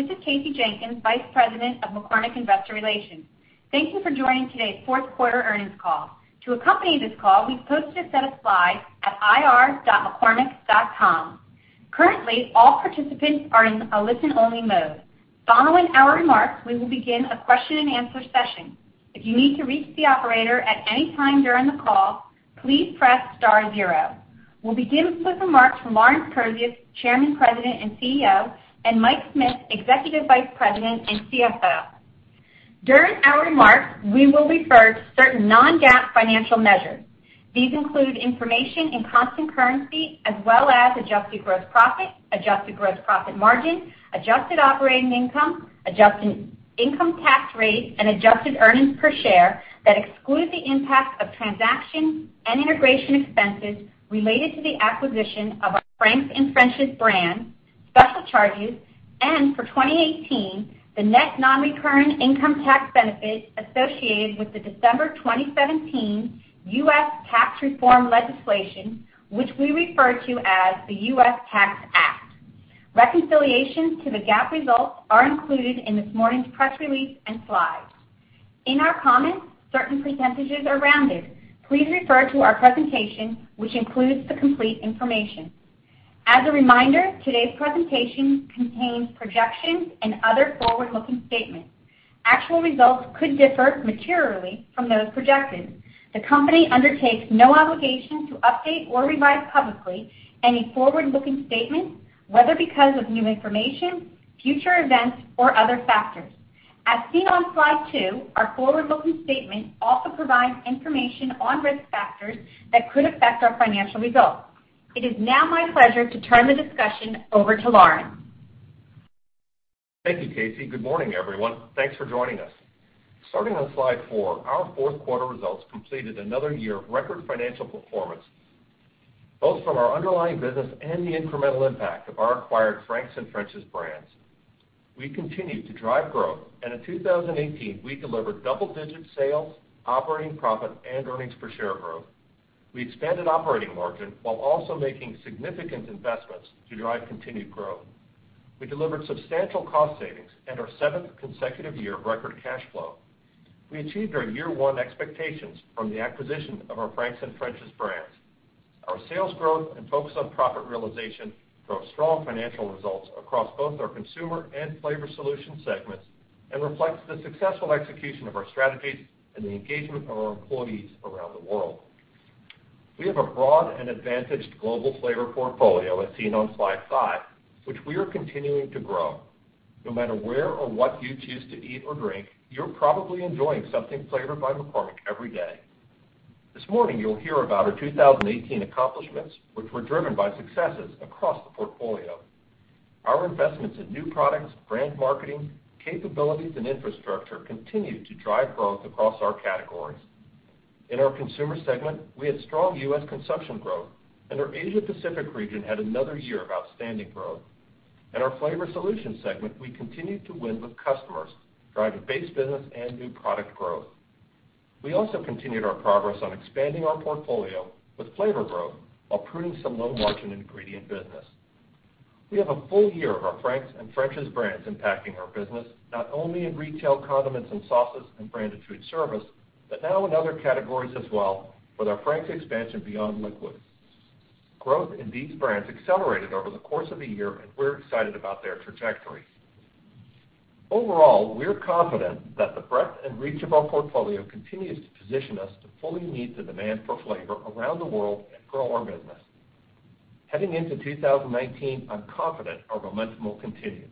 This is Kasey Jenkins, Vice President of McCormick Investor Relations. Thank you for joining today's Q4 Earnings Call. To accompany this call, we have posted a set of slides at ir.mccormick.com. Currently, all participants are in a listen-only mode. Following our remarks, we will begin a question and answer session. If you need to reach the operator at any time during the call, please press star zero. We will begin with remarks from Lawrence Kurzius, Chairman, President, and CEO, and Michael Smith, Executive Vice President and CFO. During our remarks, we will refer to certain non-GAAP financial measures. These include information in constant currency as well as adjusted gross profit, adjusted gross profit margin, adjusted operating income, adjusted income tax rate, and adjusted earnings per share that exclude the impact of transaction and integration expenses related to the acquisition of our Frank's and French's brands, special charges, and for 2018, the net non-recurring income tax benefit associated with the December 2017 U.S. tax reform legislation, which we refer to as the U.S. Tax Act. Reconciliations to the GAAP results are included in this morning's press release and slides. In our comments, certain percentages are rounded. Please refer to our presentation, which includes the complete information. As a reminder, today's presentation contains projections and other forward-looking statements. Actual results could differ materially from those projections. The company undertakes no obligation to update or revise publicly any forward-looking statements, whether because of new information, future events, or other factors. As seen on slide two, our forward-looking statement also provides information on risk factors that could affect our financial results. It is now my pleasure to turn the discussion over to Lawrence. Thank you, Kasey. Good morning, everyone. Thanks for joining us. Starting on slide four, our Q4 results completed another year of record financial performance, both from our underlying business and the incremental impact of our acquired Frank's and French's brands. We continued to drive growth, and in 2018, we delivered double-digit sales, operating profit, and earnings per share growth. We expanded operating margin while also making significant investments to drive continued growth. We delivered substantial cost savings and our seventh consecutive year of record cash flow. We achieved our year one expectations from the acquisition of our Frank's and French's brands. Our sales growth and focus on profit realization drove strong financial results across both our Consumer and Flavor Solution segments and reflects the successful execution of our strategies and the engagement of our employees around the world. We have a broad and advantaged global flavor portfolio, as seen on slide five, which we are continuing to grow. No matter where or what you choose to eat or drink, you're probably enjoying something flavored by McCormick every day. This morning, you'll hear about our 2018 accomplishments, which were driven by successes across the portfolio. Our investments in new products, brand marketing, capabilities, and infrastructure continued to drive growth across our categories. In our Consumer segment, we had strong U.S. consumption growth, and our Asia Pacific region had another year of outstanding growth. In our Flavor Solution segment, we continued to win with customers, driving base business and new product growth. We also continued our progress on expanding our portfolio with flavor growth while pruning some low-margin ingredient business. We have a full year of our Frank's and French's brands impacting our business, not only in retail condiments and sauces and branded food service, but now in other categories as well with our Frank's expansion beyond liquids. Growth in these brands accelerated over the course of the year, and we're excited about their trajectory. Overall, we're confident that the breadth and reach of our portfolio continues to position us to fully meet the demand for flavor around the world and grow our business. Heading into 2019, I'm confident our momentum will continue.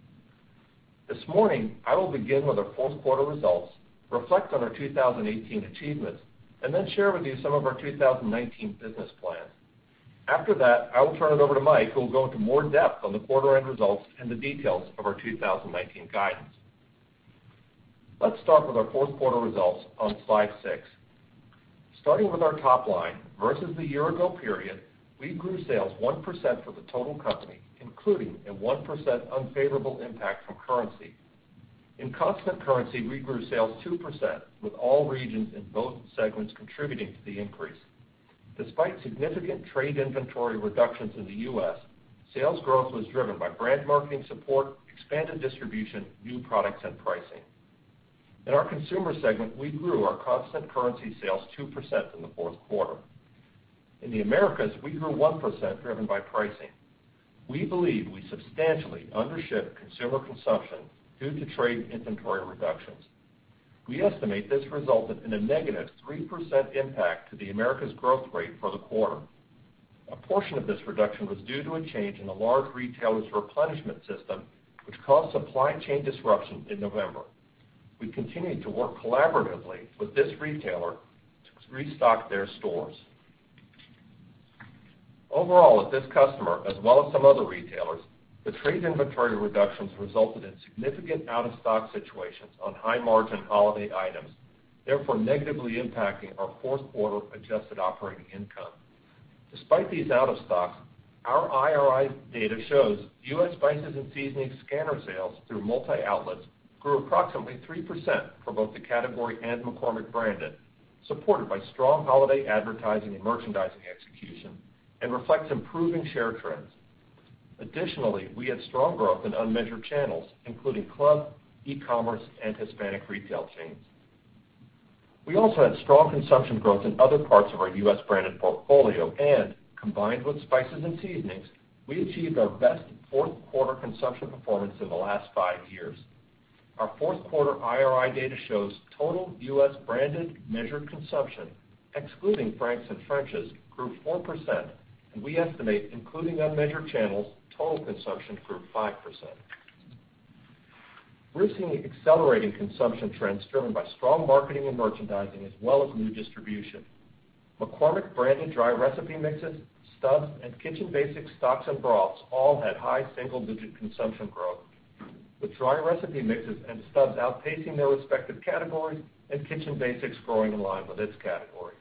This morning, I will begin with our Q4 results, reflect on our 2018 achievements, then share with you some of our 2019 business plans. After that, I will turn it over to Michael, who will go into more depth on the quarter-end results and the details of our 2019 guidance. Let's start with our Q4 results on slide six. Starting with our top line, versus the year ago period, we grew sales 1% for the total company, including a 1% unfavorable impact from currency. In constant currency, we grew sales 2%, with all regions and both segments contributing to the increase. Despite significant trade inventory reductions in the U.S., sales growth was driven by brand marketing support, expanded distribution, new products, and pricing. In our Consumer segment, we grew our constant currency sales 2% in Q4. In the Americas, we grew 1%, driven by pricing. We believe we substantially undershipped consumer consumption due to trade inventory reductions. We estimate this resulted in a -3% impact to the Americas growth rate for the quarter. A portion of this reduction was due to a change in a large retailer's replenishment system, which caused supply chain disruption in November. We continue to work collaboratively with this retailer to restock their stores. Overall, at this customer, as well as some other retailers, the trade inventory reductions resulted in significant out-of-stock situations on high-margin holiday items, therefore negatively impacting our Q4 adjusted operating income. Despite these out of stocks, our IRI data shows U.S. spices and seasoning scanner sales through multi-outlets grew approximately 3% for both the category and McCormick branded, supported by strong holiday advertising and merchandising execution, and reflects improving share trends. Additionally, we had strong growth in unmeasured channels, including club, e-commerce, and Hispanic retail chains. We also had strong consumption growth in other parts of our U.S. branded portfolio, combined with spices and seasonings, we achieved our best Q4 consumption performance in the last five years. Our Q4 IRI data shows total U.S. branded measured consumption, excluding Frank's and French's, grew 4%, and we estimate including unmeasured channels, total consumption grew 5%. We are seeing accelerating consumption trends driven by strong marketing and merchandising as well as new distribution. McCormick branded dry recipe mixes, Stubb's, and Kitchen Basics stocks and broths all had high single-digit consumption growth, with dry recipe mixes and Stubb's outpacing their respective categories, and Kitchen Basics growing in line with its category.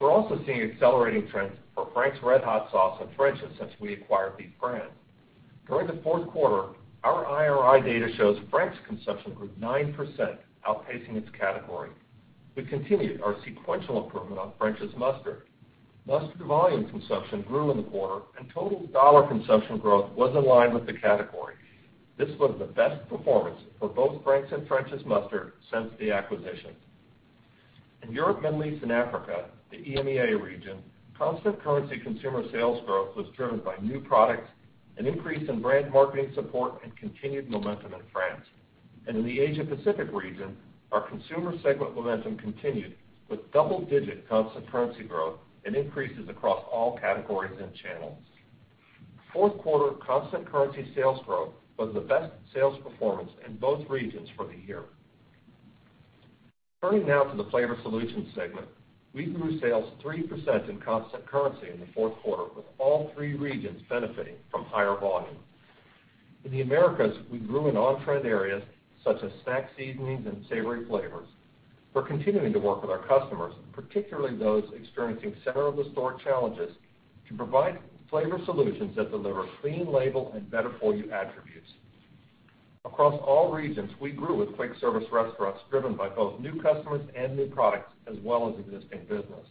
We are also seeing accelerating trends for Frank's RedHot sauce and French's since we acquired these brands. During Q4, our IRI data shows Frank's consumption grew 9%, outpacing its category. We continued our sequential improvement on French's Mustard. Mustard volume consumption grew in the quarter, and total dollar consumption growth was in line with the category. This was the best performance for both Frank's and French's Mustard since the acquisition. In Europe, Middle East, and Africa, the EMEA region, constant currency consumer sales growth was driven by new products, an increase in brand marketing support, and continued momentum in France. In the Asia Pacific region, our consumer segment momentum continued with double-digit constant currency growth and increases across all categories and channels. Q4 constant currency sales growth was the best sales performance in both regions for the year. Turning now to the Flavor Solutions segment, we grew sales 3% in constant currency in Q4, with all three regions benefiting from higher volume. In the Americas, we grew in on-trend areas such as snack seasonings and savory flavors. We're continuing to work with our customers, particularly those experiencing center-of-the-store challenges, to provide flavor solutions that deliver clean label and better for you attributes. Across all regions, we grew with quick service restaurants driven by both new customers and new products, as well as existing business.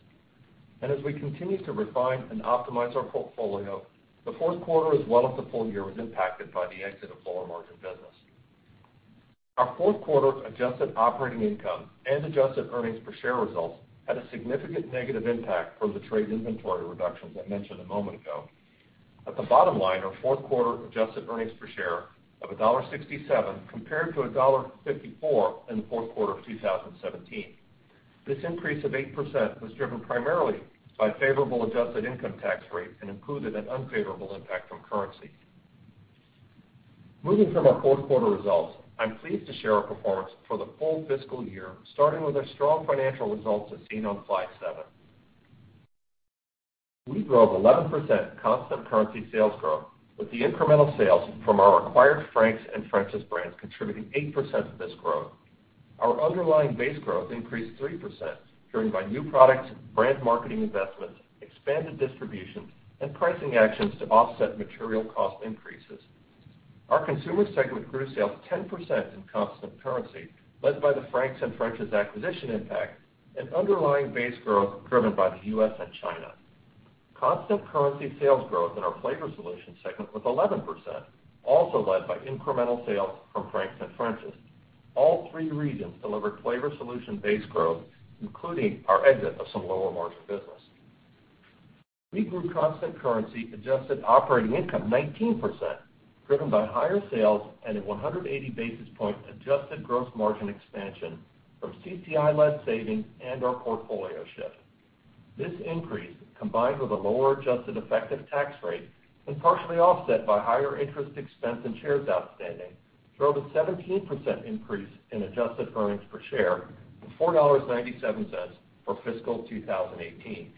As we continue to refine and optimize our portfolio, Q4 as well as the full year was impacted by the exit of lower margin business. Our Q4 adjusted operating income and adjusted earnings per share results had a significant negative impact from the trade inventory reductions I mentioned a moment ago. At the bottom line, our Q4 adjusted earnings per share of $1.67 compared to $1.54 in the Q4 of 2017. This increase of 8% was driven primarily by favorable adjusted income tax rate and included an unfavorable impact from currency. Moving from our Q4 results, I'm pleased to share our performance for the full fiscal year, starting with our strong financial results as seen on slide seven. We drove 11% constant currency sales growth with the incremental sales from our acquired Frank's and French's brands contributing 8% of this growth. Our underlying base growth increased 3%, driven by new products, brand marketing investments, expanded distribution, and pricing actions to offset material cost increases. Our Consumer segment grew sales 10% in constant currency, led by the Frank's and French's acquisition impact and underlying base growth driven by the U.S. and China. Constant currency sales growth in our Flavor Solutions segment was 11%, also led by incremental sales from Frank's and French's. All three regions delivered flavor solution base growth, including our exit of some lower margin business. We grew constant currency adjusted operating income 19%, driven by higher sales and a 180 basis point adjusted gross margin expansion from CCI-led savings and our portfolio shift. This increase, combined with a lower adjusted effective tax rate and partially offset by higher interest expense and shares outstanding, drove a 17% increase in adjusted earnings per share to $4.97 for fiscal 2018.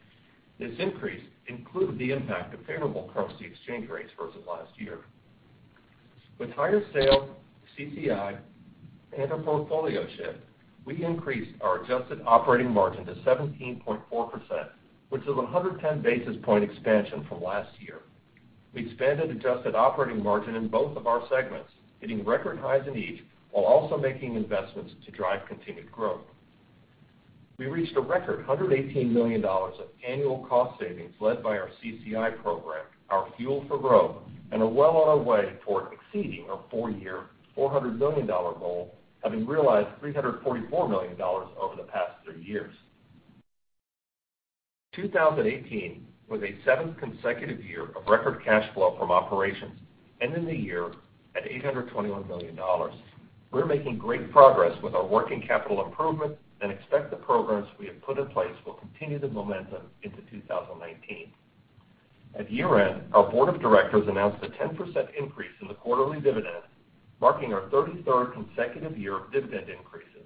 This increase included the impact of favorable currency exchange rates versus last year. With higher sales, CCI, and our portfolio shift, we increased our adjusted operating margin to 17.4%, which is a 110 basis point expansion from last year. We expanded adjusted operating margin in both of our segments, hitting record highs in each while also making investments to drive continued growth. We reached a record $118 million of annual cost savings led by our CCI program, our fuel for growth, and are well on our way toward exceeding our four-year, $400 million goal, having realized $344 million over the past three years. 2018 was a seventh consecutive year of record cash flow from operations, ending the year at $821 million. We're making great progress with our working capital improvement and expect the programs we have put in place will continue the momentum into 2019. At year-end, our board of directors announced a 10% increase in the quarterly dividend, marking our 33rd consecutive year of dividend increases.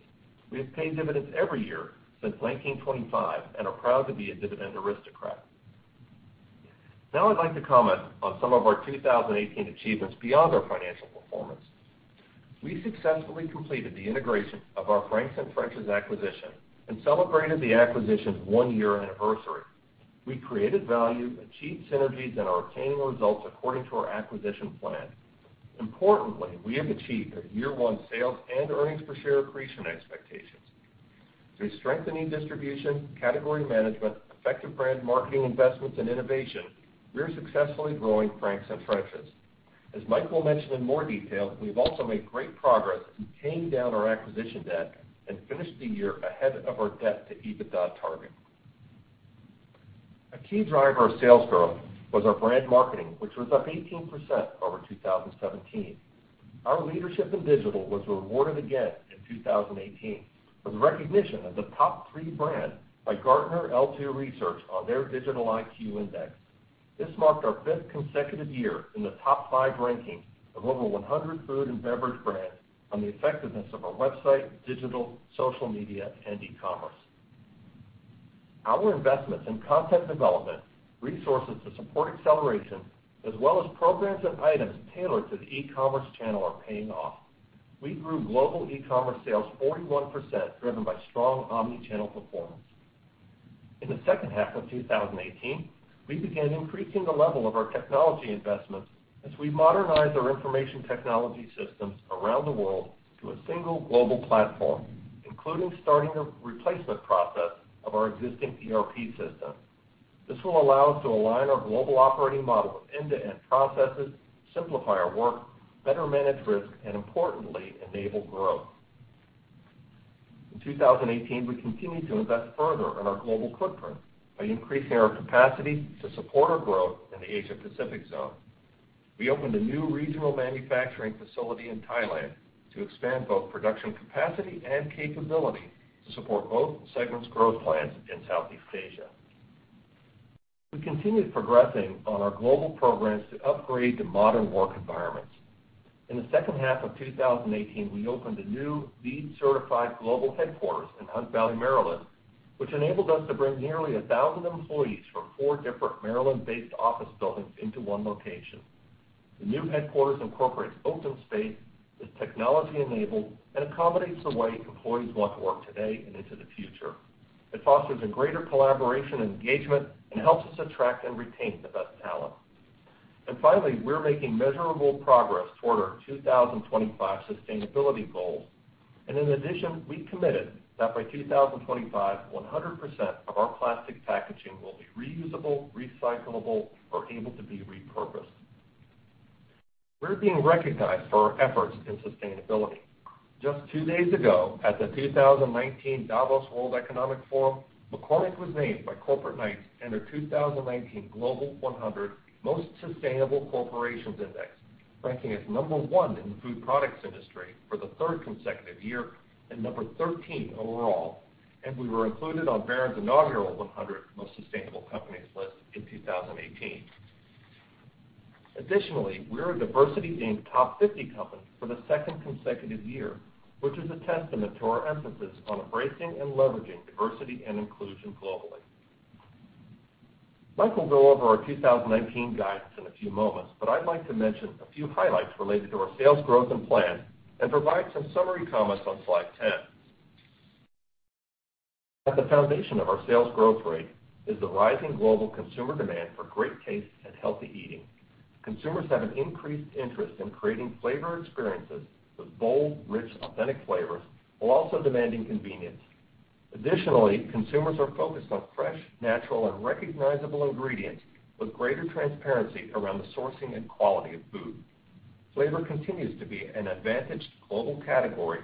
We have paid dividends every year since 1925 and are proud to be a dividend aristocrat. I'd like to comment on some of our 2018 achievements beyond our financial performance. We successfully completed the integration of our Frank's and French's acquisition and celebrated the acquisition's one-year anniversary. We created value, achieved synergies, and are obtaining results according to our acquisition plan. Importantly, we have achieved our year one sales and earnings per share accretion expectations. Through strengthening distribution, category management, effective brand marketing investments, and innovation, we are successfully growing Frank's and French's. As Michael will mention in more detail, we've also made great progress in paying down our acquisition debt and finished the year ahead of our debt to EBITDA target. A key driver of sales growth was our brand marketing, which was up 18% over 2017. Our leadership in digital was rewarded again in 2018 with recognition as a top three brand by Gartner L2 Research on their Digital IQ Index. This marked our fifth consecutive year in the top five ranking of over 100 food and beverage brands on the effectiveness of our website, digital, social media, and e-commerce. Our investments in content development, resources to support acceleration, as well as programs and items tailored to the e-commerce channel are paying off. We grew global e-commerce sales 41%, driven by strong omni-channel performance. In the H2 of 2018, we began increasing the level of our technology investments as we modernized our information technology systems around the world to a single global platform, including starting a replacement process of our existing ERP system. This will allow us to align our global operating model with end-to-end processes, simplify our work, better manage risk, and importantly, enable growth. In 2018, we continued to invest further in our global footprint by increasing our capacity to support our growth in the Asia-Pacific zone. We opened a new regional manufacturing facility in Thailand to expand both production capacity and capability to support both segments' growth plans in Southeast Asia. We continued progressing on our global programs to upgrade to modern work environments. In the H2 of 2018, we opened a new LEED certified global headquarters in Hunt Valley, Maryland, which enabled us to bring nearly 1,000 employees from four different Maryland-based office buildings into one location. The new headquarters incorporates open space, is technology enabled, and accommodates the way employees want to work today and into the future. It fosters a greater collaboration and engagement and helps us attract and retain the best talent. Finally, we're making measurable progress toward our 2025 sustainability goals. In addition, we committed that by 2025, 100% of our plastic packaging will be reusable, recyclable, or able to be repurposed. We're being recognized for our efforts in sustainability. Just two days ago, at the 2019 Davos World Economic Forum, McCormick was named by Corporate Knights in their 2019 Global 100 Most Sustainable Corporations index, ranking as number one in the food products industry for the third consecutive year and number 13 overall. We were included on Barron's inaugural 100 Most Sustainable Companies list in 2018. Additionally, we're a DiversityInc top 50 company for the second consecutive year, which is a testament to our emphasis on embracing and leveraging diversity and inclusion globally. Michael will go over our 2019 guidance in a few moments, I'd like to mention a few highlights related to our sales growth and plan and provide some summary comments on slide 10. At the foundation of our sales growth rate is the rising global consumer demand for great taste and healthy eating. Consumers have an increased interest in creating flavor experiences with bold, rich, authentic flavors, while also demanding convenience. Additionally, consumers are focused on fresh, natural, and recognizable ingredients with greater transparency around the sourcing and quality of food. Flavor continues to be an advantaged global category,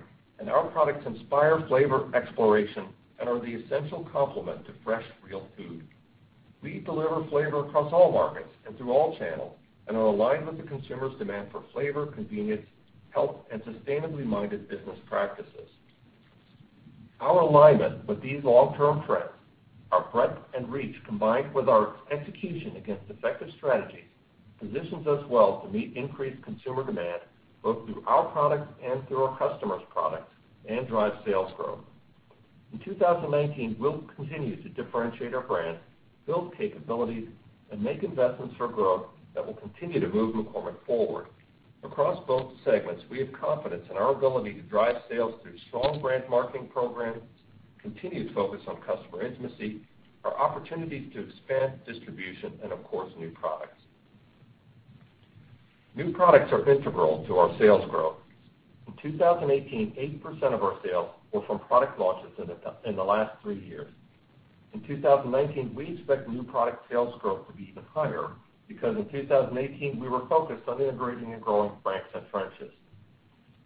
our products inspire flavor exploration and are the essential complement to fresh, real food. We deliver flavor across all markets and through all channels and are aligned with the consumer's demand for flavor, convenience, health, and sustainably minded business practices. Our alignment with these long-term trends, our breadth and reach, combined with our execution against effective strategies, positions us well to meet increased consumer demand, both through our products and through our customers' products, drive sales growth. In 2019, we'll continue to differentiate our brands, build capabilities, and make investments for growth that will continue to move McCormick forward. Across both segments, we have confidence in our ability to drive sales through strong brand marketing programs, continued focus on customer intimacy, our opportunities to expand distribution, of course, new products. New products are integral to our sales growth. In 2018, 80% of our sales were from product launches in the last three years. In 2019, we expect new product sales growth to be even higher because in 2018, we were focused on integrating and growing Frank's and French's.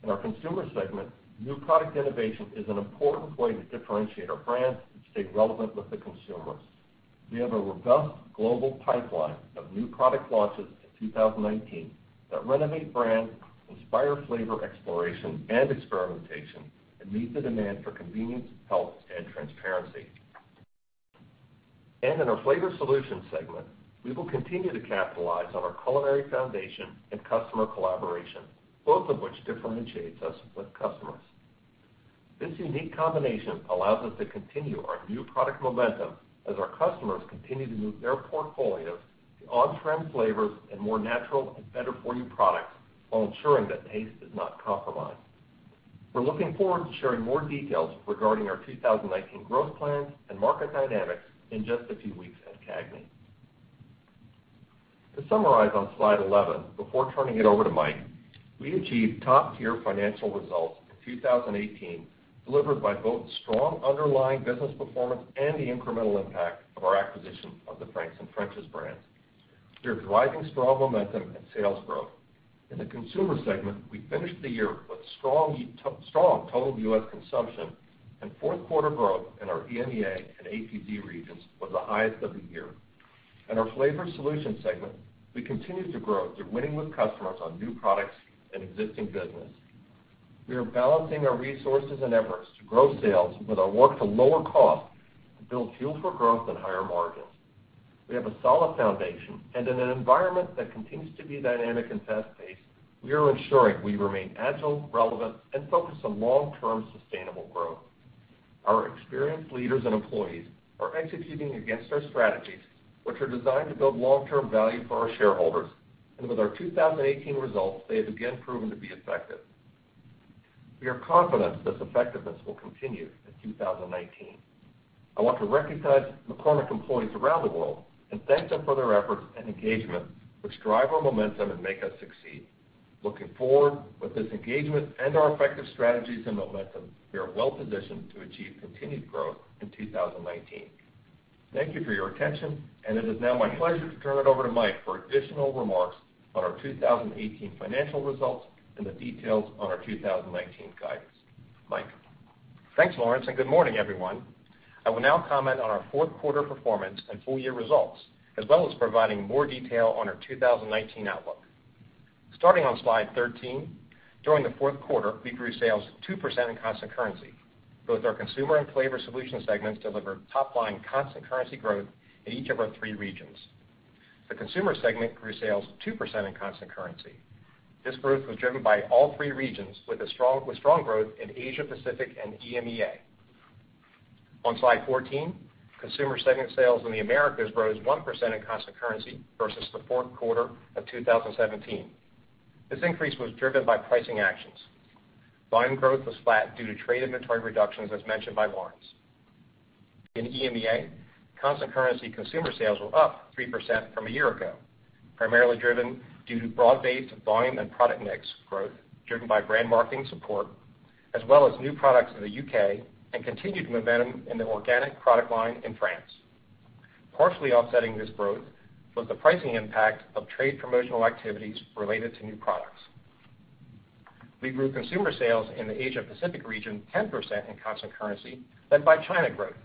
In our consumer segment, new product innovation is an important way to differentiate our brands and stay relevant with the consumers. We have a robust global pipeline of new product launches in 2019 that renovate brands, inspire flavor exploration and experimentation, meet the demand for convenience, health, and transparency. In our Flavor Solution segment, we will continue to capitalize on our culinary foundation and customer collaboration, both of which differentiates us with customers. This unique combination allows us to continue our new product momentum as our customers continue to move their portfolios to on-trend flavors and more natural and better for you products while ensuring that taste is not compromised. We are looking forward to sharing more details regarding our 2019 growth plans and market dynamics in just a few weeks at CAGNY. To summarize on slide 11, before turning it over to Michael, we achieved top-tier financial results in 2018, delivered by both strong underlying business performance and the incremental impact of our acquisition of the Frank's and French's brands. We are driving strong momentum and sales growth. In the Consumer segment, we finished the year with strong total U.S. consumption and Q4 growth in our EMEA and APZ regions was the highest of the year. In our Flavor Solution segment, we continue to grow through winning with customers on new products and existing business. We are balancing our resources and efforts to grow sales with our work to lower cost, to build fuel for growth and higher margins. We have a solid foundation, in an environment that continues to be dynamic and fast-paced, we are ensuring we remain agile, relevant, and focused on long-term sustainable growth. Our experienced leaders and employees are executing against our strategies, which are designed to build long-term value for our shareholders. With our 2018 results, they have again proven to be effective. We are confident this effectiveness will continue in 2019. I want to recognize McCormick employees around the world and thank them for their efforts and engagement, which drive our momentum and make us succeed. Looking forward, with this engagement and our effective strategies and momentum, we are well positioned to achieve continued growth in 2019. Thank you for your attention, it is now my pleasure to turn it over to Michael for additional remarks on our 2018 financial results and the details on our 2019 guidance. Michael? Thanks, Lawrence, good morning, everyone. I will now comment on our Q4 performance and full year results, as well as providing more detail on our 2019 outlook. Starting on slide 13, during the Q4, we grew sales 2% in constant currency. Both our Consumer and Flavor Solution segments delivered top-line constant currency growth in each of our three regions. The Consumer segment grew sales 2% in constant currency. This growth was driven by all three regions, with strong growth in Asia Pacific and EMEA. On slide 14, Consumer segment sales in the Americas rose 1% in constant currency versus Q4 of 2017. This increase was driven by pricing actions. Volume growth was flat due to trade inventory reductions, as mentioned by Lawrence. In EMEA, constant currency Consumer sales were up 3% from a year ago, primarily driven due to broad-based volume and product mix growth, driven by brand marketing support, as well as new products in the U.K. and continued momentum in the organic product line in France. Partially offsetting this growth was the pricing impact of trade promotional activities related to new products. We grew Consumer sales in the Asia Pacific region 10% in constant currency, led by China growth,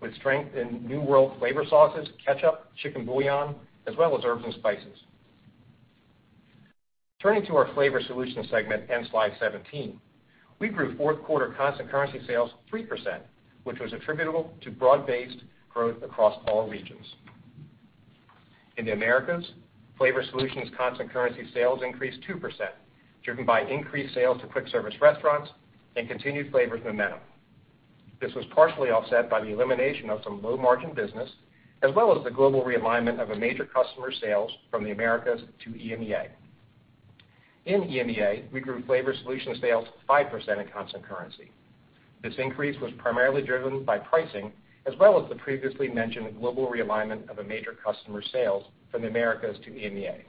with strength in new world flavor sauces, ketchup, chicken bouillon, as well as herbs and spices. Turning to our Flavor Solutions segment and slide 17, we grew Q4 constant currency sales 3%, which was attributable to broad-based growth across all regions. In the Americas, Flavor Solutions constant currency sales increased 2%, driven by increased sales to quick service restaurants and continued flavor momentum. This was partially offset by the elimination of some low margin business, as well as the global realignment of a major customer's sales from the Americas to EMEA. In EMEA, we grew Flavor Solutions sales 5% in constant currency. This increase was primarily driven by pricing, as well as the previously mentioned global realignment of a major customer's sales from the Americas to EMEA.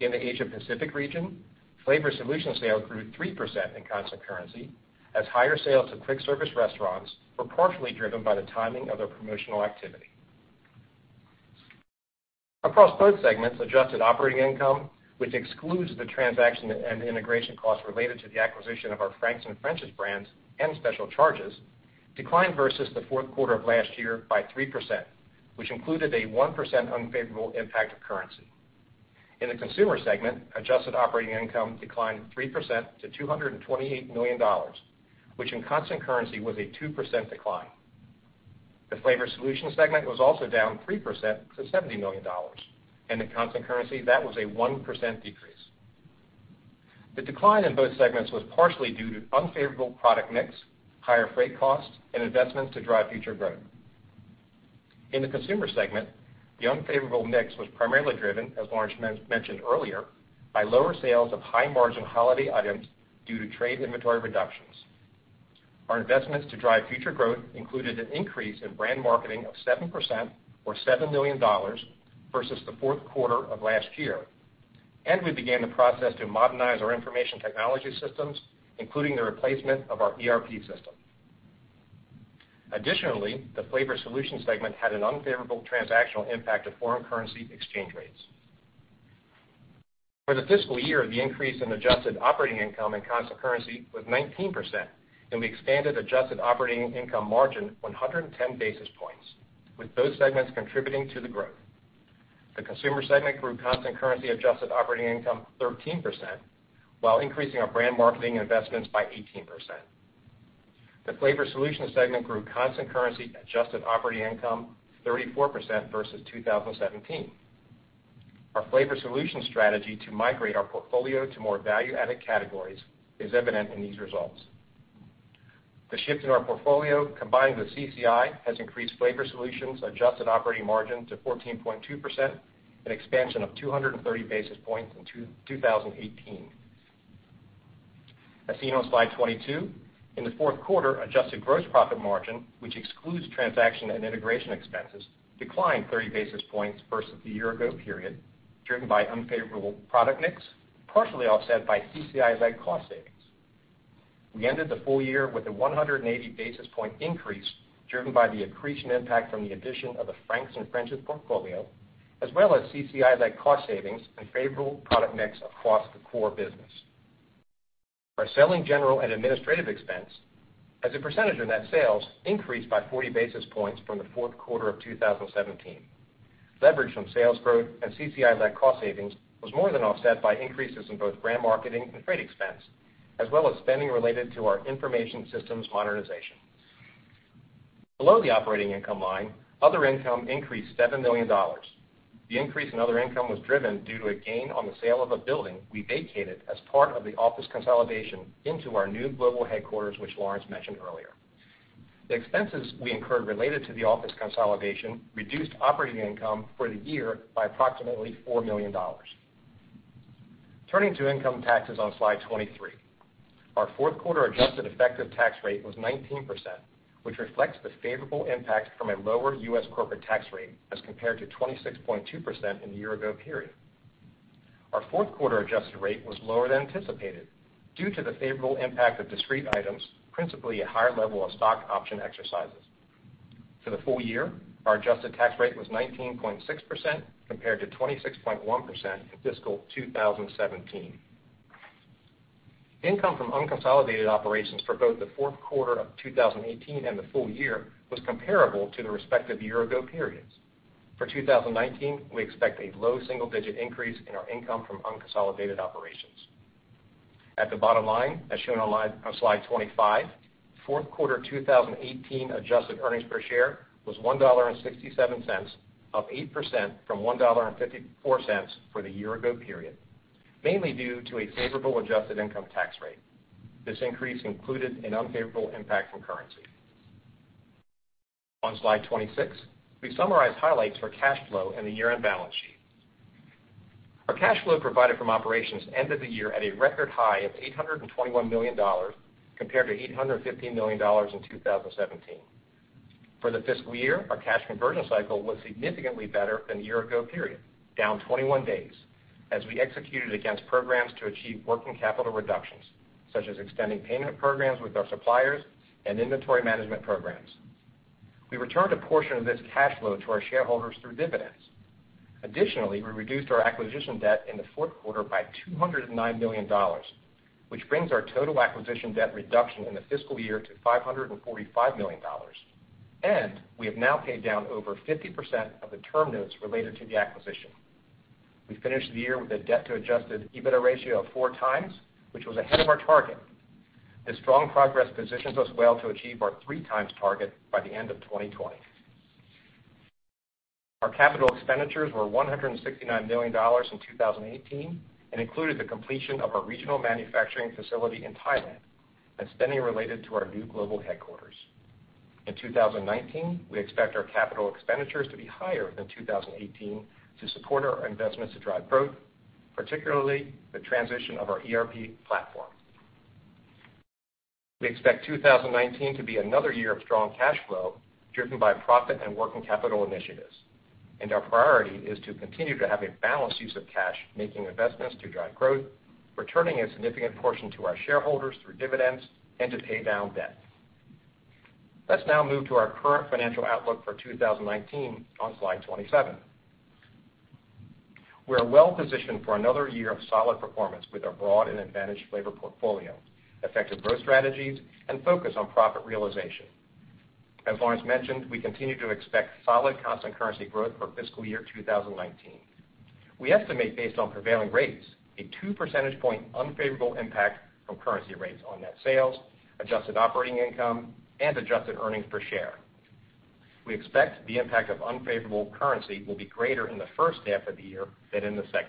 In the Asia Pacific region, Flavor Solutions sales grew 3% in constant currency, as higher sales to quick service restaurants were partially driven by the timing of their promotional activity. Across both segments, adjusted operating income, which excludes the transaction and integration costs related to the acquisition of our Frank's and French's brands and special charges, declined versus Q4 of last year by 3%, which included a 1% unfavorable impact of currency. In the Consumer segment, adjusted operating income declined 3% to $228 million, which in constant currency was a 2% decline. The Flavor Solutions segment was also down 3% to $70 million, and in constant currency, that was a 1% decrease. The decline in both segments was partially due to unfavorable product mix, higher freight costs, and investments to drive future growth. In the Consumer segment, the unfavorable mix was primarily driven, as Lawrence mentioned earlier, by lower sales of high margin holiday items due to trade inventory reductions. Our investments to drive future growth included an increase in brand marketing of 7%, or $7 million, versus Q4 of last year, and we began the process to modernize our information technology systems, including the replacement of our ERP system. Additionally, the Flavor Solutions segment had an unfavorable transactional impact of foreign currency exchange rates. For the fiscal year, the increase in adjusted operating income and constant currency was 19%, and we expanded adjusted operating income margin 110 basis points, with both segments contributing to the growth. The Consumer segment grew constant currency adjusted operating income 13%, while increasing our brand marketing investments by 18%. The Flavor Solutions segment grew constant currency adjusted operating income 34% versus 2017. Our Flavor Solutions strategy to migrate our portfolio to more value added categories is evident in these results. The shift in our portfolio, combined with CCI, has increased Flavor Solutions adjusted operating margin to 14.2%, an expansion of 230 basis points in 2018. As seen on slide 22, in Q4, adjusted gross profit margin, which excludes transaction and integration expenses, declined 30 basis points versus the year ago period, driven by unfavorable product mix, partially offset by CCI-led cost savings. We ended the full year with a 180 basis point increase driven by the accretion impact from the addition of the Frank's and French's portfolio, as well as CCI-led cost savings and favorable product mix across the core business. Our selling general and administrative expense as a percentage of net sales increased by 40 basis points from the Q4 of 2017. Leverage from sales growth and CCI-led cost savings was more than offset by increases in both brand marketing and freight expense, as well as spending related to our information systems modernization. Below the operating income line, other income increased $7 million. The increase in other income was driven due to a gain on the sale of a building we vacated as part of the office consolidation into our new global headquarters, which Lawrence mentioned earlier. The expenses we incurred related to the office consolidation reduced operating income for the year by approximately $4 million. Turning to income taxes on slide 23. Our Q4 adjusted effective tax rate was 19%, which reflects the favorable impact from a lower U.S. corporate tax rate as compared to 26.2% in the year ago period. Our Q4 adjusted rate was lower than anticipated due to the favorable impact of discrete items, principally a higher level of stock option exercises. For the full year, our adjusted tax rate was 19.6% compared to 26.1% in fiscal 2017. Income from unconsolidated operations for both the Q4 of 2018 and the full year was comparable to the respective year ago periods. For 2019, we expect a low single-digit increase in our income from unconsolidated operations. At the bottom line, as shown on slide 25, Q4 2018 adjusted earnings per share was $1.67, up 8% from $1.54 for the year ago period, mainly due to a favorable adjusted income tax rate. This increase included an unfavorable impact from currency. On slide 26, we summarize highlights for cash flow and the year-end balance sheet. Our cash flow provided from operations ended the year at a record high of $821 million, compared to $815 million in 2017. For the fiscal year, our cash conversion cycle was significantly better than the year ago period, down 21 days, as we executed against programs to achieve working capital reductions, such as extending payment programs with our suppliers and inventory management programs. We returned a portion of this cash flow to our shareholders through dividends. Additionally, we reduced our acquisition debt in Q4 by $209 million, which brings our total acquisition debt reduction in the fiscal year to $545 million, and we have now paid down over 50% of the term notes related to the acquisition. We finished the year with a debt to Adjusted EBITDA ratio of 4x, which was ahead of our target. This strong progress positions us well to achieve our 3x target by the end of 2020. Our capital expenditures were $169 million in 2018 and included the completion of our regional manufacturing facility in Thailand and spending related to our new global headquarters. In 2019, we expect our capital expenditures to be higher than 2018 to support our investments to drive growth, particularly the transition of our ERP platform. We expect 2019 to be another year of strong cash flow driven by profit and working capital initiatives. Our priority is to continue to have a balanced use of cash making investments to drive growth, returning a significant portion to our shareholders through dividends, and to pay down debt. Let's now move to our current financial outlook for 2019 on slide 27. We are well positioned for another year of solid performance with our broad and advantaged flavor portfolio, effective growth strategies, and focus on profit realization. As Lawrence mentioned, we continue to expect solid constant currency growth for fiscal year 2019. We estimate, based on prevailing rates, a two percentage point unfavorable impact from currency rates on net sales, adjusted operating income, and adjusted earnings per share. We expect the impact of unfavorable currency will be greater in the H1 of the year than in the H2.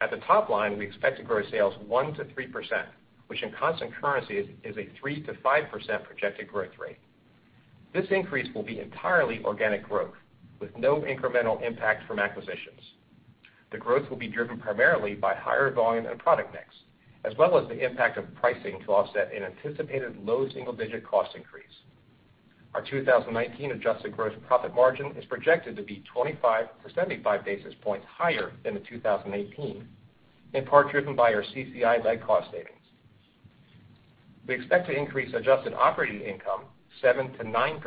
At the top line, we expect to grow sales 1%-3%, which in constant currency is a 3%-5% projected growth rate. This increase will be entirely organic growth with no incremental impact from acquisitions. The growth will be driven primarily by higher volume and product mix, as well as the impact of pricing to offset an anticipated low single-digit cost increase. Our 2019 adjusted gross profit margin is projected to be 25-75 basis points higher than 2018, in part driven by our CCI-led cost savings. We expect to increase adjusted operating income 7%-9%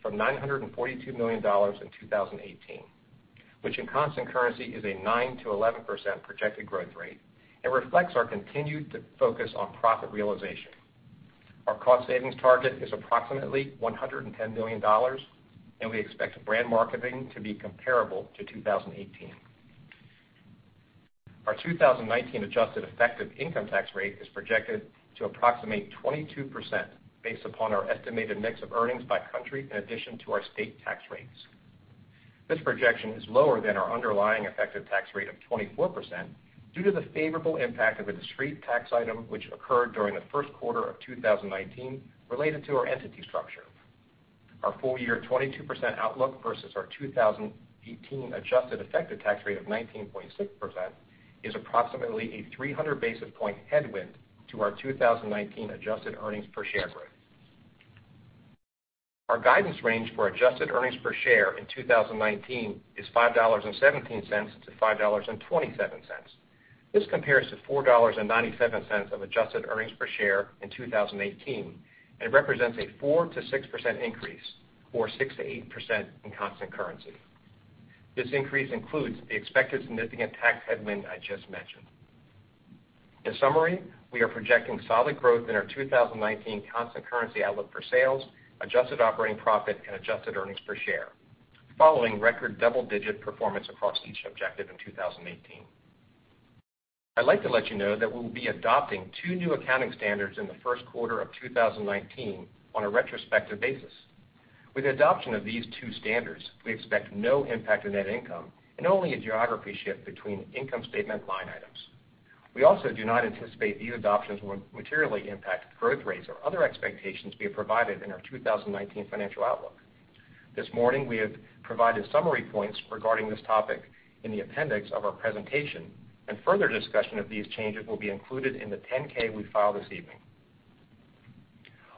from $942 million in 2018, which in constant currency is a 9%-11% projected growth rate and reflects our continued focus on profit realization. Our cost savings target is approximately $110 million, and we expect brand marketing to be comparable to 2018. Our 2019 adjusted effective income tax rate is projected to approximate 22% based upon our estimated mix of earnings by country in addition to our state tax rates. This projection is lower than our underlying effective tax rate of 24% due to the favorable impact of a discrete tax item which occurred during the Q1 of 2019 related to our entity structure. Our full-year 22% outlook versus our 2018 adjusted effective tax rate of 19.6% is approximately a 300 basis point headwind to our 2019 adjusted earnings per share growth. Our guidance range for adjusted earnings per share in 2019 is $5.17-$5.27. This compares to $4.97 of adjusted earnings per share in 2018, and represents a 4%-6% increase, or 6%-8% in constant currency. This increase includes the expected significant tax headwind I just mentioned. In summary, we are projecting solid growth in our 2019 constant currency outlook for sales, adjusted operating profit, and adjusted earnings per share, following record double-digit performance across each objective in 2018. I'd like to let you know that we will be adopting two new accounting standards in the Q1 of 2019 on a retrospective basis. With the adoption of these two standards, we expect no impact to net income and only a geography shift between income statement line items. We also do not anticipate these adoptions will materially impact growth rates or other expectations we have provided in our 2019 financial outlook. This morning, we have provided summary points regarding this topic in the appendix of our presentation. Further discussion of these changes will be included in the 10-K we file this evening.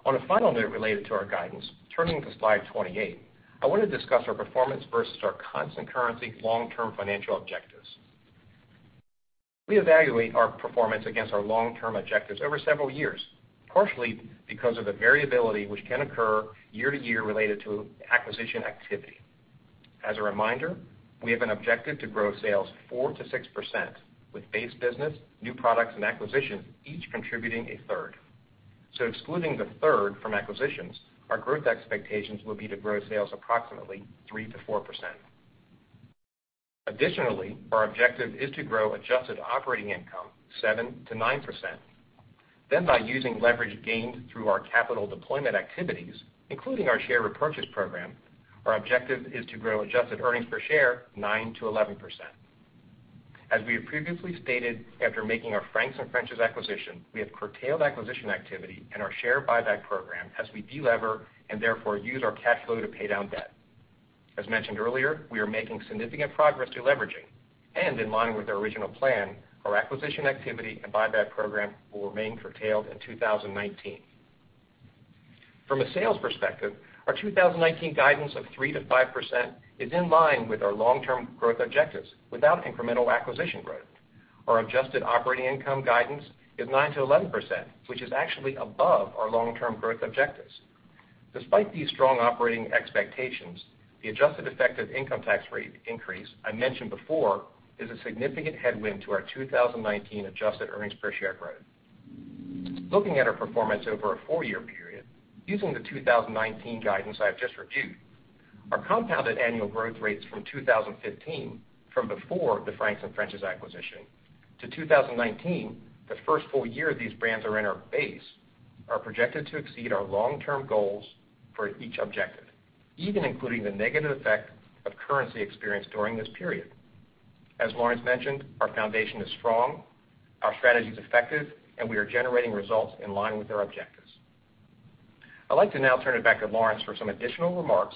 On a final note related to our guidance, turning to slide 28, I want to discuss our performance versus our constant currency long-term financial objectives. We evaluate our performance against our long-term objectives over several years, partially because of the variability which can occur year to year related to acquisition activity. As a reminder, we have an objective to grow sales 4%-6%, with base business, new products, and acquisitions each contributing a third. Excluding the third from acquisitions, our growth expectations will be to grow sales approximately 3%-4%. Our objective is to grow adjusted operating income 7%-9%. By using leverage gained through our capital deployment activities, including our share repurchase program, our objective is to grow adjusted earnings per share 9%-11%. As we have previously stated, after making our Frank's and French's acquisition, we have curtailed acquisition activity and our share buyback program as we de-lever and therefore use our cash flow to pay down debt. As mentioned earlier, we are making significant progress to leveraging, and in line with our original plan, our acquisition activity and buyback program will remain curtailed in 2019. From a sales perspective, our 2019 guidance of 3%-5% is in line with our long-term growth objectives without incremental acquisition growth. Our adjusted operating income guidance is 9%-11%, which is actually above our long-term growth objectives. Despite these strong operating expectations, the adjusted effective income tax rate increase I mentioned before is a significant headwind to our 2019 adjusted earnings per share growth. Looking at our performance over a four-year period, using the 2019 guidance I've just reviewed, our compounded annual growth rates from 2015 from before the Frank's and French's acquisition to 2019, the first full year these brands are in our base, are projected to exceed our long-term goals for each objective, even including the negative effect of currency experienced during this period. As Lawrence mentioned, our foundation is strong, our strategy is effective, and we are generating results in line with our objectives. I'd like to now turn it back to Lawrence for some additional remarks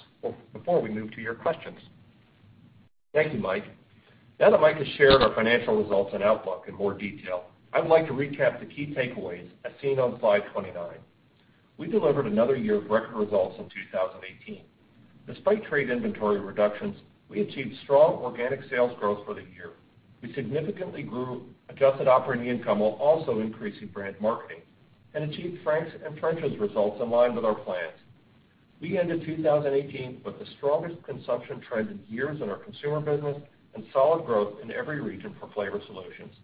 before we move to your questions. Thank you, Michael. Michael has shared our financial results and outlook in more detail, I would like to recap the key takeaways as seen on slide 29. We delivered another year of record results in 2018. Despite trade inventory reductions, we achieved strong organic sales growth for the year. We significantly grew adjusted operating income while also increasing brand marketing and achieved Frank's and French's results in line with our plans. We ended 2018 with the strongest consumption trends in years in our consumer business and solid growth in every region for flavor solutions.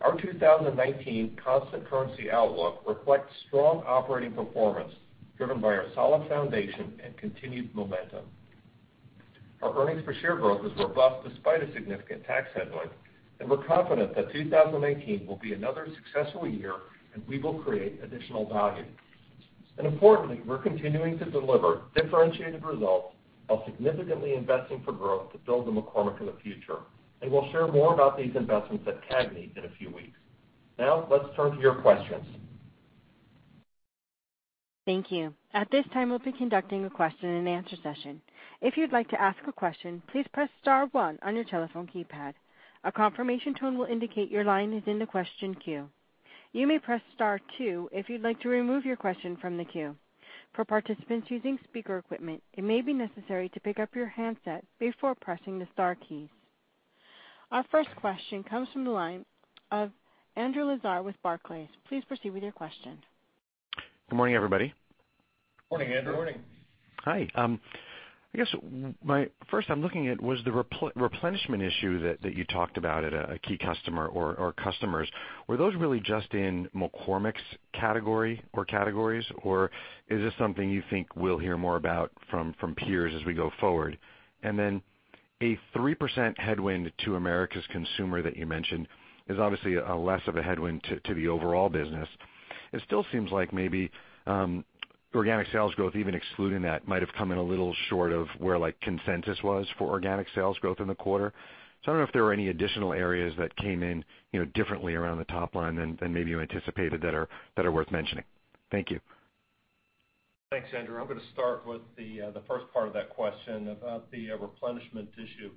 Our 2019 constant currency outlook reflects strong operating performance driven by our solid foundation and continued momentum. Our earnings per share growth is robust despite a significant tax headwind, we're confident that 2019 will be another successful year, we will create additional value. Importantly, we're continuing to deliver differentiated results while significantly investing for growth to build the McCormick of the future. We'll share more about these investments at CAGNY in a few weeks. Let's turn to your questions. Thank you. At this time, we'll be conducting a question and answer session. If you'd like to ask a question, please press star one on your telephone keypad. A confirmation tone will indicate your line is in the question queue. You may press star two if you'd like to remove your question from the queue. For participants using speaker equipment, it may be necessary to pick up your handset before pressing the star keys. Our first question comes from the line of Andrew Lazar with Barclays. Please proceed with your question. Good morning, everybody. Morning, Andrew. Good morning. Hi. I guess, first I'm looking at was the replenishment issue that you talked about at a key customer or customers. Were those really just in McCormick's category or categories, or is this something you think we'll hear more about from peers as we go forward? A 3% headwind to Americas Consumer that you mentioned is obviously less of a headwind to the overall business. It still seems like maybe Organic sales growth, even excluding that, might have come in a little short of where consensus was for organic sales growth in the quarter. I don't know if there are any additional areas that came in differently around the top line than maybe you anticipated that are worth mentioning. Thank you. Thanks, Andrew. I'm going to start with the first part of that question about the replenishment issue.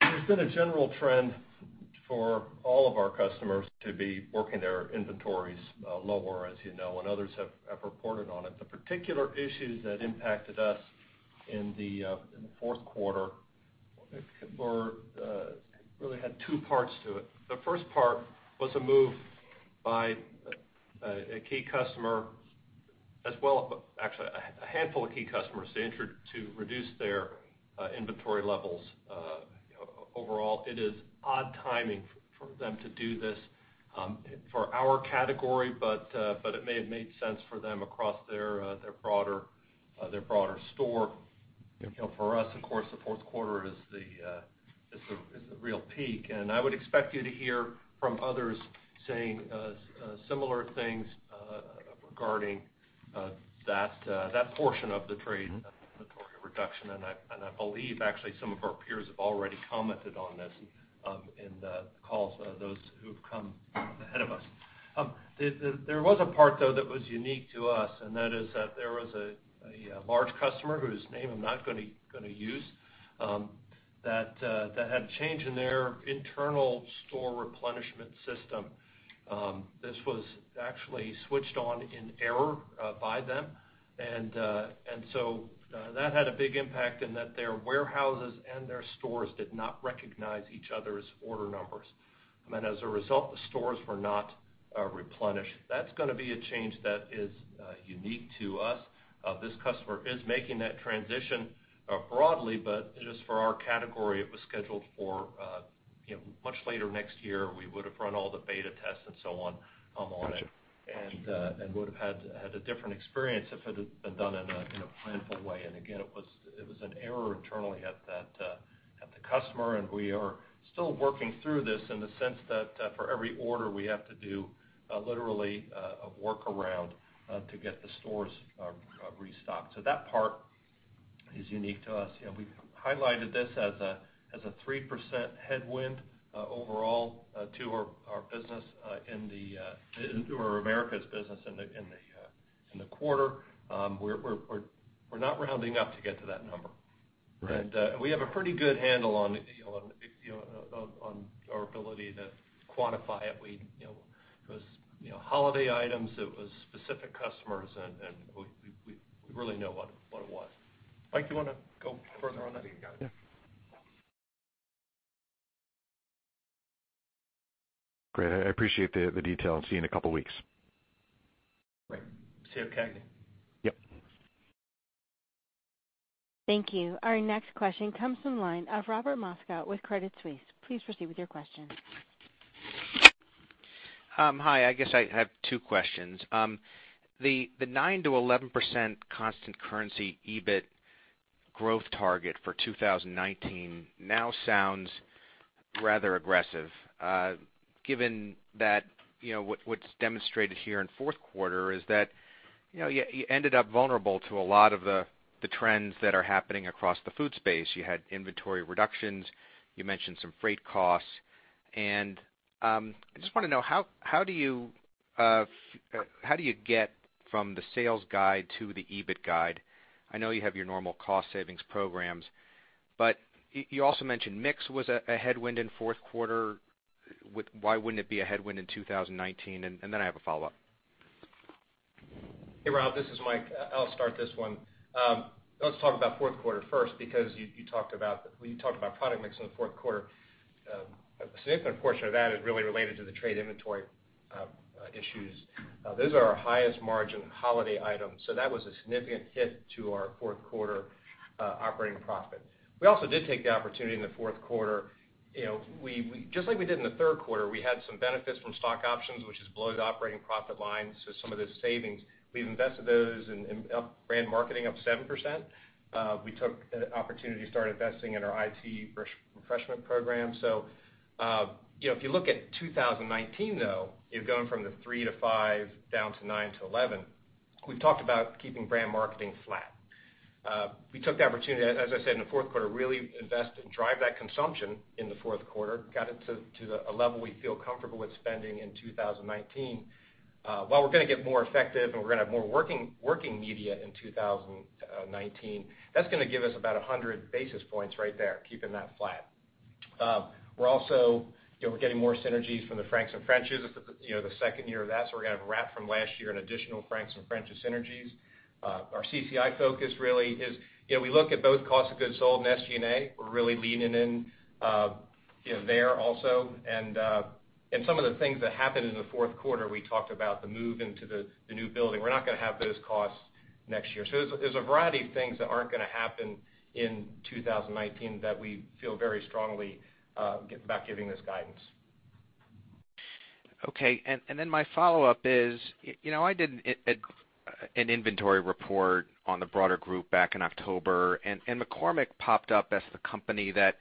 There's been a general trend for all of our customers to be working their inventories lower, as you know, and others have reported on it. The particular issues that impacted us in Q4 really had two parts to it. The first part was a move by a key customer, actually a handful of key customers, to reduce their inventory levels. Overall, it is odd timing for them to do this for our category, but it may have made sense for them across their broader store. For us, of course, Q4 is the real peak, and I would expect you to hear from others saying similar things regarding that portion of the trade inventory reduction. I believe, actually, some of our peers have already commented on this in the calls, those who've come ahead of us. There was a part, though, that was unique to us, and that is that there was a large customer whose name I'm not going to use, that had a change in their internal store replenishment system. This was actually switched on in error by them. That had a big impact in that their warehouses and their stores did not recognize each other's order numbers. As a result, the stores were not replenished. That's going to be a change that is unique to us. This customer is making that transition broadly, but just for our category, it was scheduled for much later next year. We would've run all the beta tests and so on on it. Got you. Would've had a different experience if it had been done in a planful way. Again, it was an error internally at the customer, and we are still working through this in the sense that for every order we have to do literally a workaround to get the stores restocked. That part is unique to us. We've highlighted this as a 3% headwind overall to our business, to our Americas business in the quarter. We're not rounding up to get to that number. Right. We have a pretty good handle on our ability to quantify it. It was holiday items, it was specific customers, and we really know what it was. Michael, do you want to go further on that? I think you got it. Yeah. Great. I appreciate the detail, see you in a couple of weeks. Great. See you again. Yep. Thank you. Our next question comes from the line of Robert Moskow with Credit Suisse. Please proceed with your question. Hi. I guess I have two questions. The 9%-11% constant currency EBIT growth target for 2019 now sounds rather aggressive given that what's demonstrated here in Q4 is that you ended up vulnerable to a lot of the trends that are happening across the food space. You had inventory reductions, you mentioned some freight costs. I just want to know, how do you get from the sales guide to the EBIT guide? I know you have your normal cost savings programs, but you also mentioned mix was a headwind in Q4. Why wouldn't it be a headwind in 2019? Then I have a follow-up. Hey, Robert, this is Michael. I'll start this one. Let's talk about Q4 first, because you talked about product mix in Q4. A significant portion of that is really related to the trade inventory issues. Those are our highest margin holiday items, so that was a significant hit to our Q4 operating profit. We also did take the opportunity in Q4, just like we did in Q3, we had some benefits from stock options, which is below the operating profit line. Some of those savings, we've invested those in brand marketing, up 7%. We took the opportunity to start investing in our IT refreshment program. If you look at 2019 though, you're going from the 3%-5% down to 9%-11%. We've talked about keeping brand marketing flat. We took the opportunity, as I said, in Q4, really invest and drive that consumption in Q4, got it to a level we feel comfortable with spending in 2019. We're going to get more effective and we're going to have more working media in 2019. That's going to give us about 100 basis points right there, keeping that flat. We're also getting more synergies from the Frank's and French's, the second year of that. We're going to have wrap from last year an additional Frank's and French's synergies. Our CCI focus really is we look at both cost of goods sold and SG&A. We're really leaning in there also. Some of the things that happened in Q4, we talked about the move into the new building. We're not going to have those costs next year. There's a variety of things that aren't going to happen in 2019 that we feel very strongly about giving this guidance. My follow-up is, I did an inventory report on the broader group back in October, McCormick popped up as the company that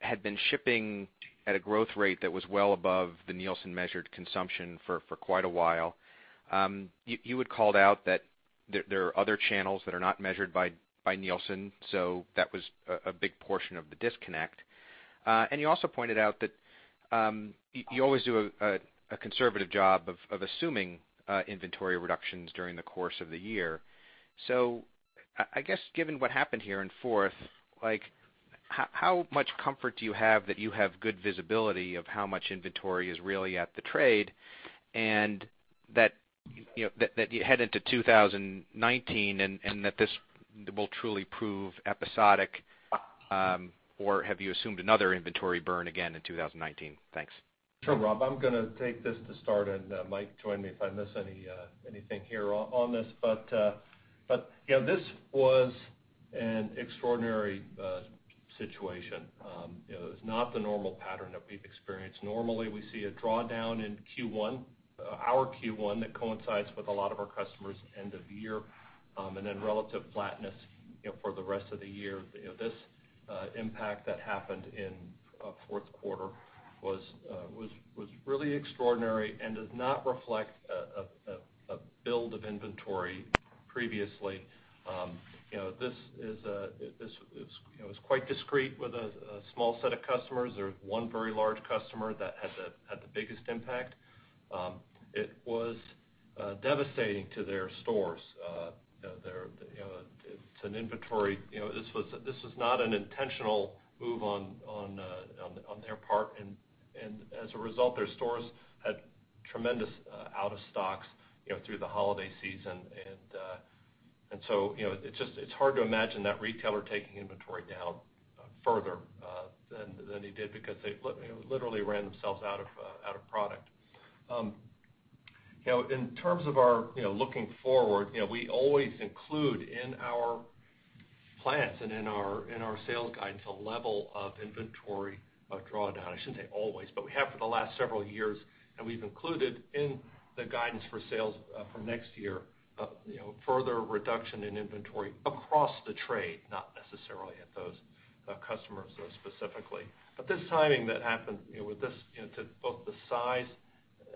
had been shipping at a growth rate that was well above the Nielsen-measured consumption for quite a while. You had called out that there are other channels that are not measured by Nielsen, that was a big portion of the disconnect. You also pointed out that you always do a conservative job of assuming inventory reductions during the course of the year. I guess, given what happened here in fourth, how much comfort do you have that you have good visibility of how much inventory is really at the trade, and that you head into 2019, and that this will truly prove episodic? Have you assumed another inventory burn again in 2019? Thanks. Sure, Robert, I'm going to take this to start, and Michael, join me if I miss anything here on this. This was an extraordinary situation. It was not the normal pattern that we've experienced. Normally, we see a drawdown in Q1, our Q1, that coincides with a lot of our customers' end of year, and then relative flatness for the rest of the year. This impact that happened in Q4 was really extraordinary and does not reflect a build of inventory previously. This was quite discrete with a small set of customers. There's one very large customer that had the biggest impact. It was devastating to their stores. This was not an intentional move on their part, and as a result, their stores had tremendous out of stocks through the holiday season. It's hard to imagine that retailer taking inventory down further than they did, because they literally ran themselves out of product. In terms of our looking forward, we always include in our plans and in our sales guidance a level of inventory drawdown. I shouldn't say always, but we have for the last several years, and we've included in the guidance for sales for next year, further reduction in inventory across the trade, not necessarily at those customers specifically. This timing that happened with this, both the size,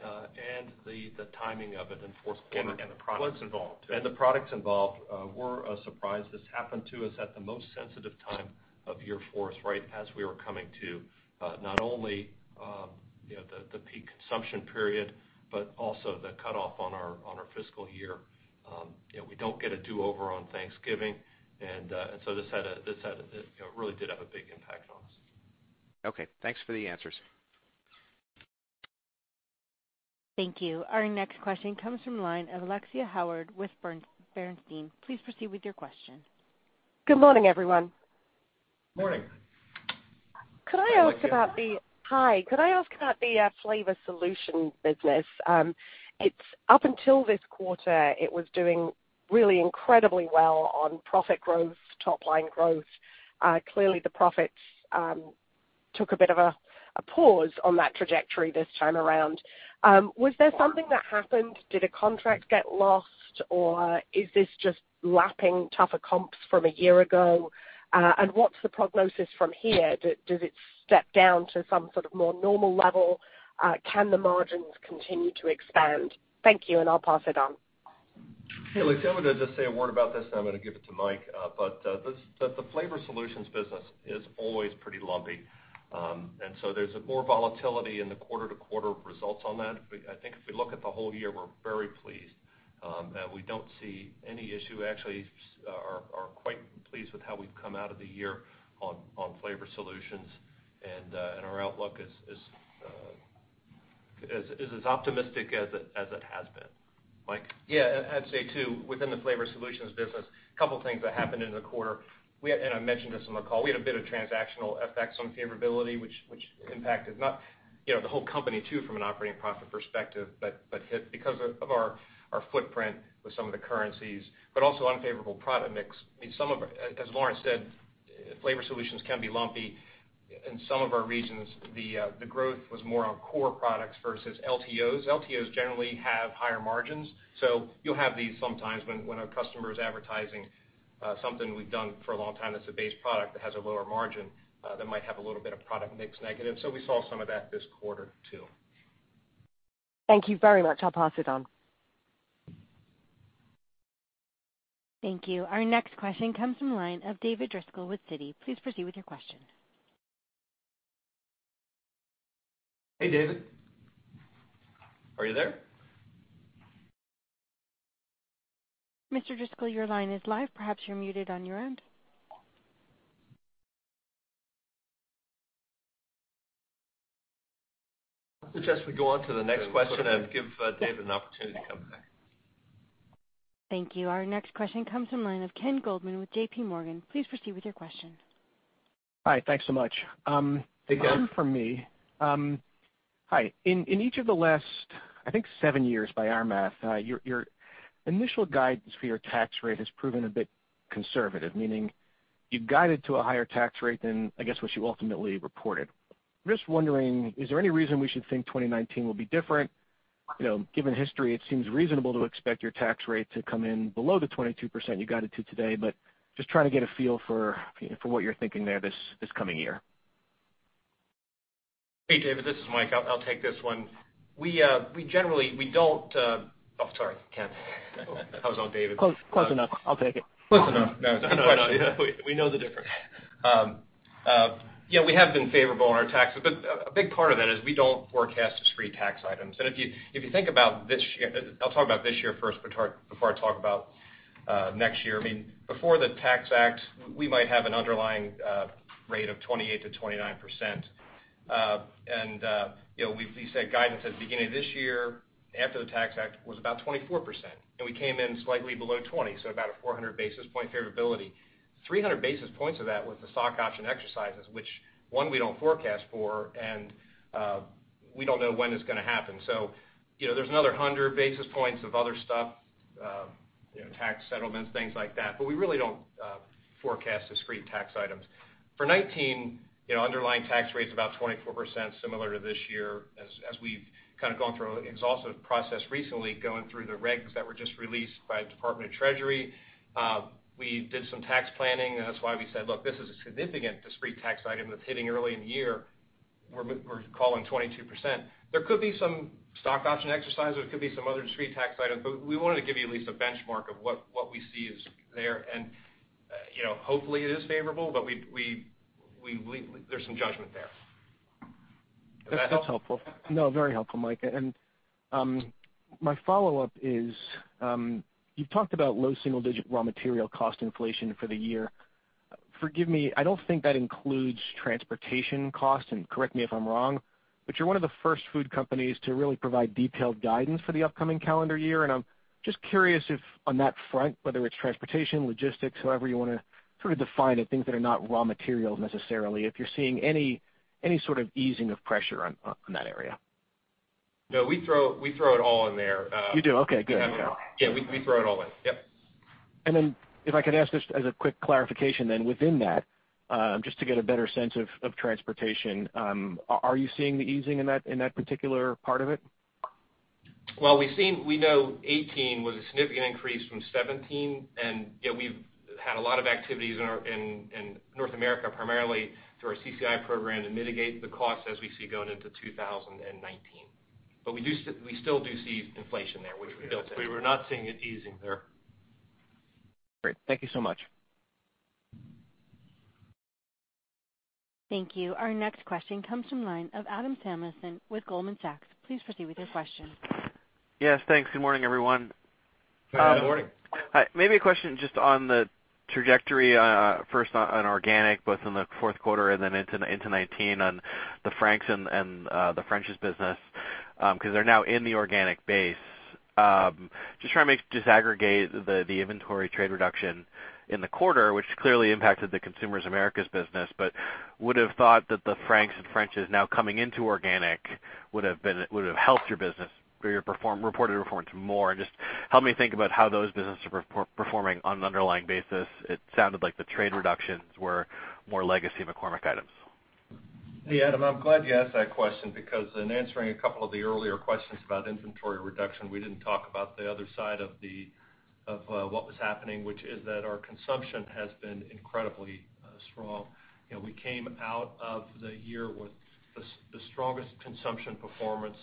and the timing of it in Q4 The products involved were a surprise. This happened to us at the most sensitive time of year fourth, right as we were coming to not only the peak consumption period, but also the cutoff on our fiscal year. We don't get a do-over on Thanksgiving. This really did have a big impact on us. Okay. Thanks for the answers. Thank you. Our next question comes from the line of Alexia Howard with Bernstein. Please proceed with your question. Good morning, everyone. Morning. Hi. Could I ask about the Flavor Solutions business? Up until this quarter, it was doing really incredibly well on profit growth, top line growth. Clearly, the profits took a bit of a pause on that trajectory this time around. Was there something that happened? Did a contract get lost, or is this just lapping tougher comps from a year ago? What's the prognosis from here? Does it step down to some sort of more normal level? Can the margins continue to expand? Thank you, and I'll pass it on. Hey, Alexia, I'm going to just say a word about this, then I'm going to give it to Michael. The Flavor Solutions business is always pretty lumpy. There's more volatility in the quarter-to-quarter results on that. I think if we look at the whole year, we're very pleased. We don't see any issue, actually are quite pleased with how we've come out of the year on Flavor Solutions. Our outlook is as optimistic as it has been. Michael? Yeah, I'd say, too, within the Flavor Solutions business, a couple of things that happened in the quarter, and I mentioned this on the call. We had a bit of transactional effects on favorability, which impacted not the whole company too, from an operating profit perspective, but hit because of our footprint with some of the currencies, but also unfavorable product mix. As Lawrence said, Flavor Solutions can be lumpy. In some of our regions, the growth was more on core products versus LTOs. LTOs generally have higher margins. You'll have these sometimes when a customer is advertising something we've done for a long time that's a base product that has a lower margin, that might have a little bit of product mix negative. We saw some of that this quarter, too. Thank you very much. I'll pass it on. Thank you. Our next question comes from the line of David Driscoll with Citi. Please proceed with your question. Hey, David. Are you there? Mr. Driscoll, your line is live. Perhaps you're muted on your end. I suggest we go on to the next question and give David an opportunity to come back. Thank you. Our next question comes from the line of Ken Goldman with J.P. Morgan. Please proceed with your question. Hi, thanks so much. Hey, Ken. One for me. Hi. In each of the last, I think seven years by our math, your initial guidance for your tax rate has proven a bit conservative, meaning you guided to a higher tax rate than, I guess, what you ultimately reported. I'm just wondering, is there any reason we should think 2019 will be different? Given history, it seems reasonable to expect your tax rate to come in below the 22% you guided to today, but just trying to get a feel for what you're thinking there this coming year. Hey, David, this is Michael. I'll take this one. Oh, sorry, Ken. I was on David. Close enough. I'll take it. Close enough. No, good question. We know the difference. Yeah, we have been favorable on our taxes, but a big part of that is we don't forecast discrete tax items. If you think about this year, I'll talk about this year first before I talk about next year. Before the Tax Act, we might have an underlying rate of 28%-29%. We said guidance at the beginning of this year, after the Tax Act, was about 24%, and we came in slightly below 20%, so about a 400 basis point favorability. 300 basis points of that was the stock option exercises, which, one, we don't forecast for, and we don't know when it's going to happen. There's another 100 basis points of other stuff, tax settlements, things like that, but we really don't forecast discrete tax items. For 2019, underlying tax rate's about 24%, similar to this year, as we've gone through an exhaustive process recently, going through the regs that were just released by the Department of the Treasury. We did some tax planning, and that's why we said, "Look, this is a significant discrete tax item that's hitting early in the year. We're calling 22%." There could be some stock option exercises, there could be some other discrete tax items, but we wanted to give you at least a benchmark of what we see is there. Hopefully it is favorable, but there's some judgment there. Does that help? That's helpful. No, very helpful, Michael. My follow-up is, you've talked about low single-digit raw material cost inflation for the year. Forgive me, I don't think that includes transportation costs. Correct me if I'm wrong, but you're one of the first food companies to really provide detailed guidance for the upcoming calendar year, and I'm just curious if, on that front, whether it's transportation, logistics, however you want to define it, things that are not raw materials necessarily, if you're seeing any sort of easing of pressure on that area? No, we throw it all in there. You do? Okay, good. Yeah, we throw it all in. Yep. If I could ask, just as a quick clarification then, within that, just to get a better sense of transportation, are you seeing the easing in that particular part of it? We know 2018 was a significant increase from 2017, and we've had a lot of activities in North America, primarily through our CCI program, to mitigate the costs as we see going into 2019. We still do see inflation there, which we built in. We're not seeing it easing there. Great. Thank you so much. Thank you. Our next question comes from the line of Adam Samuelson with Goldman Sachs. Please proceed with your question. Yes, thanks. Good morning, everyone. Good morning. Maybe a question just on the trajectory, first on organic, both in Q4 and then into 2019, on the Frank's and the French's business, because they're now in the organic base. Just trying to disaggregate the inventory trade reduction in the quarter, which clearly impacted the Consumer Americas business, but would've thought that the Frank's and French's now coming into organic would've helped your business, or your reported performance more. Just help me think about how those businesses are performing on an underlying basis. It sounded like the trade reductions were more legacy McCormick items. Adam Samuelson, I'm glad you asked that question because in answering a couple of the earlier questions about inventory reduction, we didn't talk about the other side of what was happening, which is that our consumption has been incredibly strong. We came out of the year with the strongest consumption performance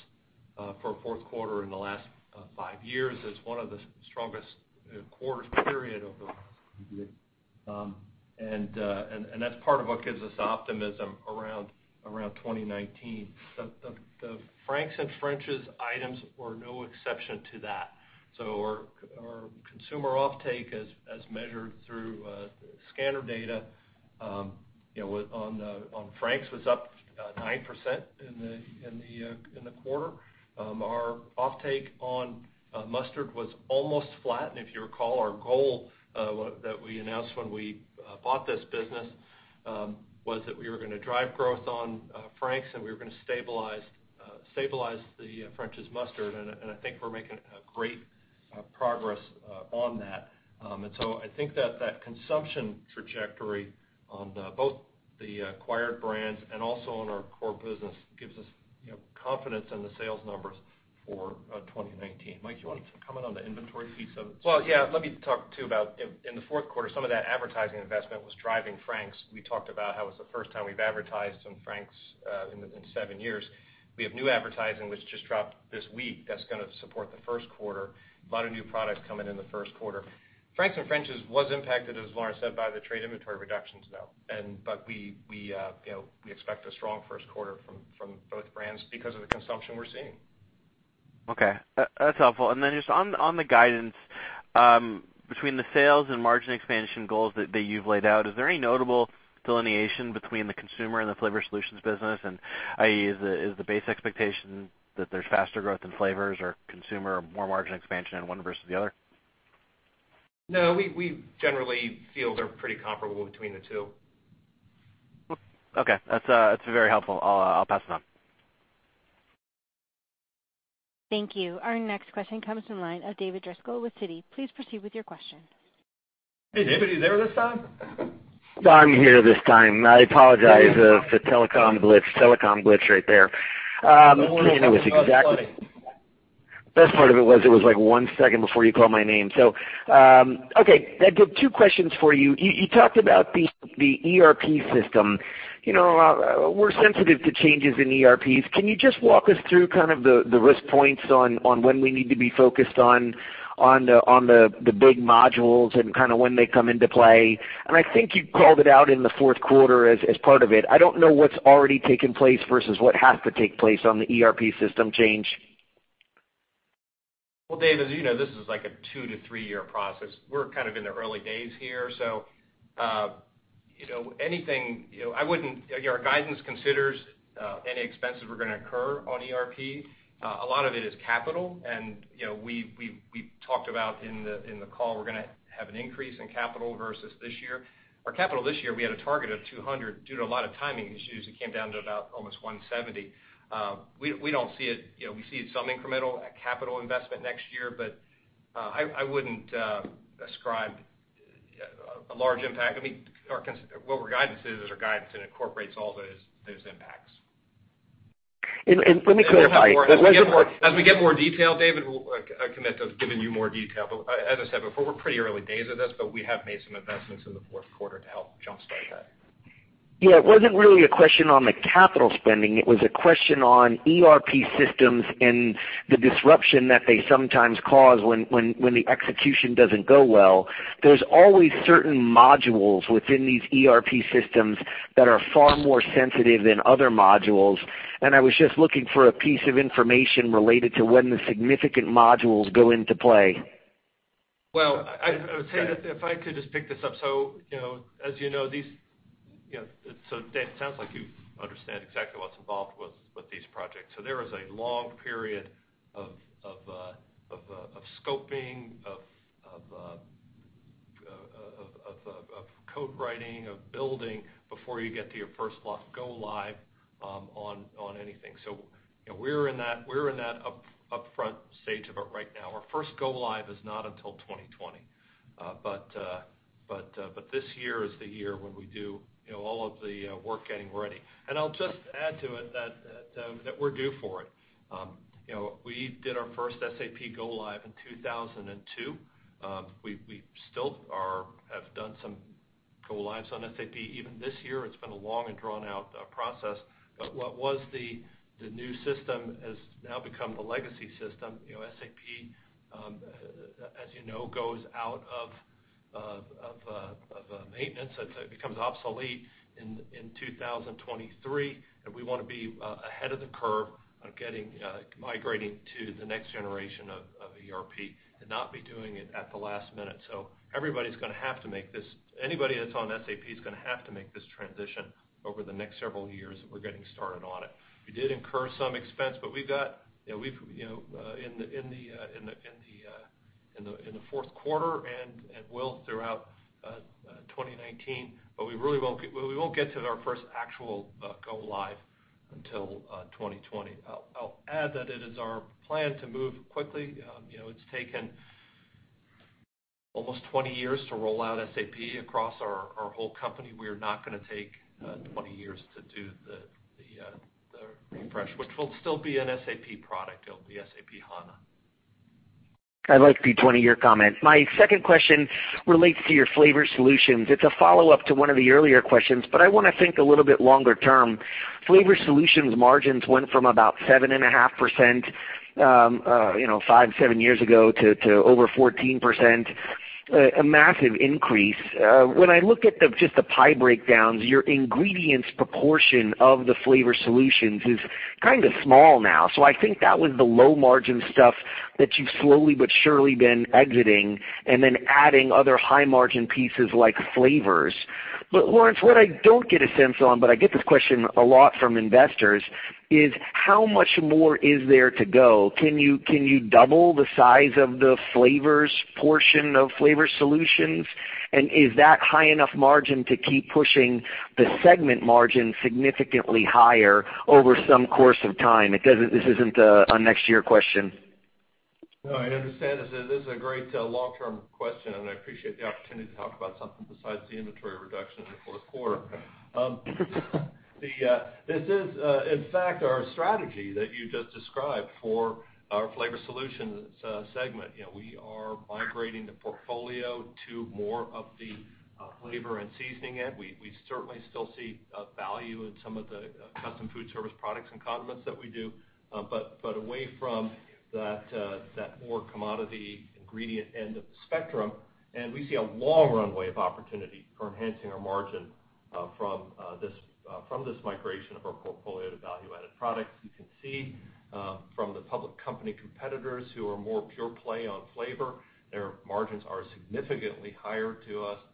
for a Q4 in the last five years. It's one of the strongest quarters, period, over. That's part of what gives us optimism around 2019. The Frank's and French's items were no exception to that. Our consumer offtake, as measured through scanner data, on Frank's was up 9% in the quarter. Our offtake on mustard was almost flat. If you recall, our goal that we announced when we bought this business, was that we were going to drive growth on Frank's, and we were going to stabilize the French's Mustard, and I think we're making great progress on that. I think that consumption trajectory on both the acquired brands and also in our core business gives us confidence in the sales numbers for 2019. Michael, do you want to comment on the inventory piece of it? Yeah. Let me talk too about, in Q4, some of that advertising investment was driving Frank's. We talked about how it's the first time we've advertised on Frank's in seven years. We have new advertising which just dropped this week that's going to support Q1. A lot of new product coming in Q1. Frank's and French's was impacted, as Lawrence said, by the trade inventory reductions, though. We expect a strong Q1 from both brands because of the consumption we're seeing. Okay. That's helpful. Just on the guidance, between the sales and margin expansion goals that you've laid out, is there any notable delineation between the consumer and the Flavor Solutions business? I.e., is the base expectation that there's faster growth in flavors or consumer, more margin expansion in one versus the other? No, we generally feel they're pretty comparable between the two. Okay. That's very helpful. I'll pass it on. Thank you. Our next question comes from the line of David Driscoll with Citi. Please proceed with your question. Hey, David, are you there this time? I'm here this time. I apologize. A telephone glitch right there. No worries. Exactly. Best part of it was, it was two seconds before you called my name. Okay. Michael, two questions for you. You talked about the ERP system. We're sensitive to changes in ERPs. Can you just walk us through the risk points on when we need to be focused on the big modules and when they come into play? I think you called it out in Q4 as part of it. I don't know what's already taken place versus what has to take place on the ERP system change. Well, David, as you know, this is like a two to three-year process. We're in the early days here, so our guidance considers any expenses we're gonna incur on ERP. A lot of it is capital, and we talked about in the call, we're gonna have an increase in capital versus this year. Our capital this year, we had a target of $200. Due to a lot of timing issues, it came down to about almost $170. We see some incremental capital investment next year, but I wouldn't ascribe a large impact. What our guidance is our guidance, and it incorporates all those impacts. Let me clarify- As we get more detail, David, we'll commit to giving you more detail. As I said before, we're pretty early days of this, but we have made some investments in Q4 to help jumpstart that. Yeah, it wasn't really a question on the capital spending. It was a question on ERP systems and the disruption that they sometimes cause when the execution doesn't go well. There's always certain modules within these ERP systems that are far more sensitive than other modules, and I was just looking for a piece of information related to when the significant modules go into play. Well, I would say that if I could just pick this up. As you know, David, it sounds like you understand exactly what's involved with these projects. There is a long period of scoping, of code writing, of building before you get to your first go-live on anything. We're in that upfront stage of it right now. Our first go-live is not until 2020. This year is the year when we do all of the work getting ready. I'll just add to it that we're due for it. We did our first SAP go-live in 2002. We still have done some go-lives on SAP. Even this year, it's been a long and drawn out process. What was the new system has now become the legacy system. SAP, as you know, goes out of maintenance, it becomes obsolete in 2023, we wanna be ahead of the curve on migrating to the next generation of ERP and not be doing it at the last minute. Anybody that's on SAP is gonna have to make this transition over the next several years, and we're getting started on it. We did incur some expense, in Q4 and well throughout 2019, but we won't get to our first actual go-live until 2020. I'll add that it is our plan to move quickly. It's taken almost 20 years to roll out SAP across our whole company. We are not gonna take 20 years to do the refresh, which will still be an SAP product. It'll be SAP HANA. I like the 20-year comment. My second question relates to your flavor solutions. It's a follow-up to one of the earlier questions, but I wanna think a little bit longer term. Flavor Solutions margins went from about 7.5% five, seven years ago to over 14%, a massive increase. When I look at just the pie breakdowns, your ingredients proportion of the flavor solutions is kind of small now. I think that was the low margin stuff that you've slowly but surely been exiting and then adding other high margin pieces like flavors. Lawrence, what I don't get a sense on, but I get this question a lot from investors, is how much more is there to go? Can you double the size of the flavors portion of Flavor Solutions? Is that high enough margin to keep pushing the segment margin significantly higher over some course of time? This isn't a next year question. No, I understand. This is a great long-term question, and I appreciate the opportunity to talk about something besides the inventory reduction in Q4. This is, in fact, our strategy that you just described for our flavor solutions segment. We are migrating the portfolio to more of the flavor and seasoning end. We certainly still see value in some of the custom food service products and condiments that we do, but away from that more commodity ingredient end of the spectrum. We see a long runway of opportunity for enhancing our margin from this migration of our portfolio to value-added products. You can see from the public company competitors who are more pure play on flavor, their margins are significantly higher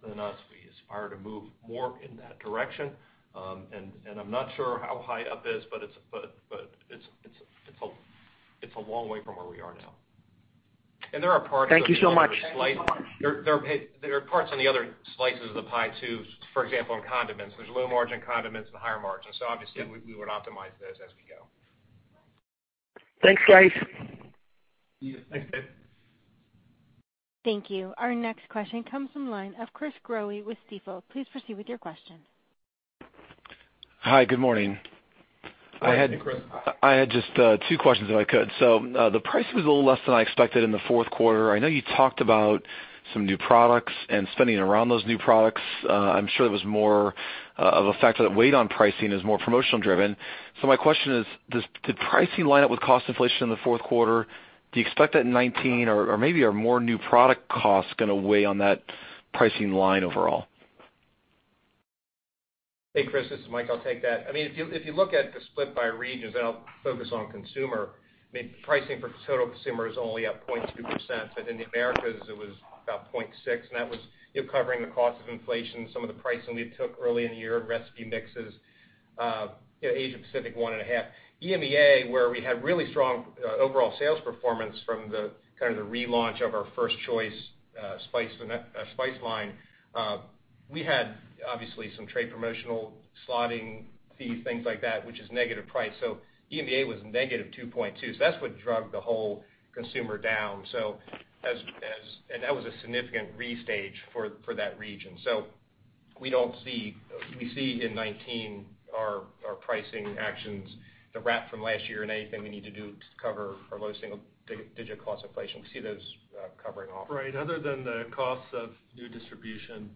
than us. We aspire to move more in that direction. I'm not sure how high up it is, but it's a long way from where we are now. there are parts- Thank you so much. there are parts in the other slices of the pie, too. For example, in condiments, there's low-margin condiments and higher margin. Obviously we would optimize those as we go. Thanks, guys. See you. Thanks, David. Thank you. Our next question comes from the line of Chris Growe with Stifel. Please proceed with your question. Hi, good morning. Hi, Chris. I had just two questions, if I could. The price was a little less than I expected in Q4. I know you talked about some new products and spending around those new products. I'm sure that was more of a factor that weighed on pricing is more promotional driven. My question is, did pricing line up with cost inflation in Q4? Do you expect that in 2019 or maybe are more new product costs going to weigh on that pricing line overall? Hey, Chris, this is Michael. I'll take that. If you look at the split by regions, I'll focus on consumer, pricing for total consumer is only up 0.2%, but in the Americas it was about 0.6%. That was covering the cost of inflation, some of the pricing we took early in the year, recipe mixes, Asia/Pacific 1.5%. EMEA, where we had really strong overall sales performance from the relaunch of our First Choice spice line, we had, obviously, some trade promotional slotting fees, things like that, which is negative price. EMEA was -2.2%. That's what drug the whole consumer down. That was a significant restage for that region. We see in 2019 our pricing actions, the wrap from last year, and anything we need to do to cover our low single-digit cost inflation. We see those covering off. Right. Other than the cost of new distribution,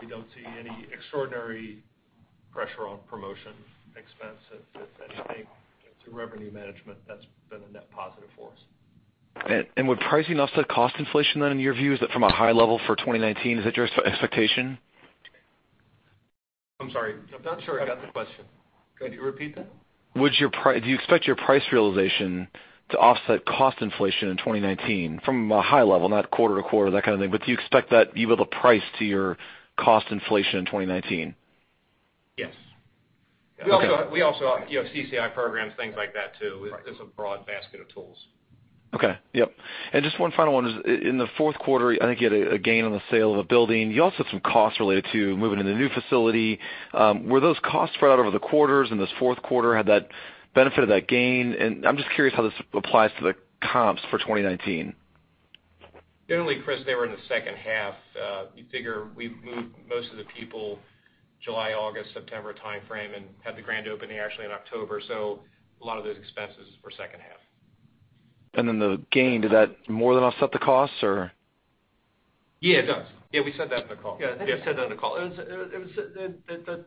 we don't see any extraordinary pressure on promotion expense, if anything, to revenue management, that's been a net positive for us. Would pricing offset cost inflation then, in your view? Is that from a high level for 2019, is that your expectation? I'm sorry. I'm not sure I got the question. Could you repeat that? Do you expect your price realization to offset cost inflation in 2019 from a high level, not quarter to quarter, that kind of thing, but do you expect that you will price to your cost inflation in 2019? Yes. We also have CCI programs, things like that, too. It's a broad basket of tools. Okay. Yep. Just one final one is, in Q4, I think you had a gain on the sale of a building. You also had some costs related to moving into the new facility. Were those costs spread out over the quarters in this Q4? Had that benefit of that gain? I'm just curious how this applies to the comps for 2019. Generally, Chris, they were in the H2. You figure we moved most of the people July, August, September timeframe and had the grand opening actually in October. A lot of those expenses were H2. Then the gain, did that more than offset the cost or? Yeah, it does. Yeah, we said that in the call. Yeah, I think I said that in the call.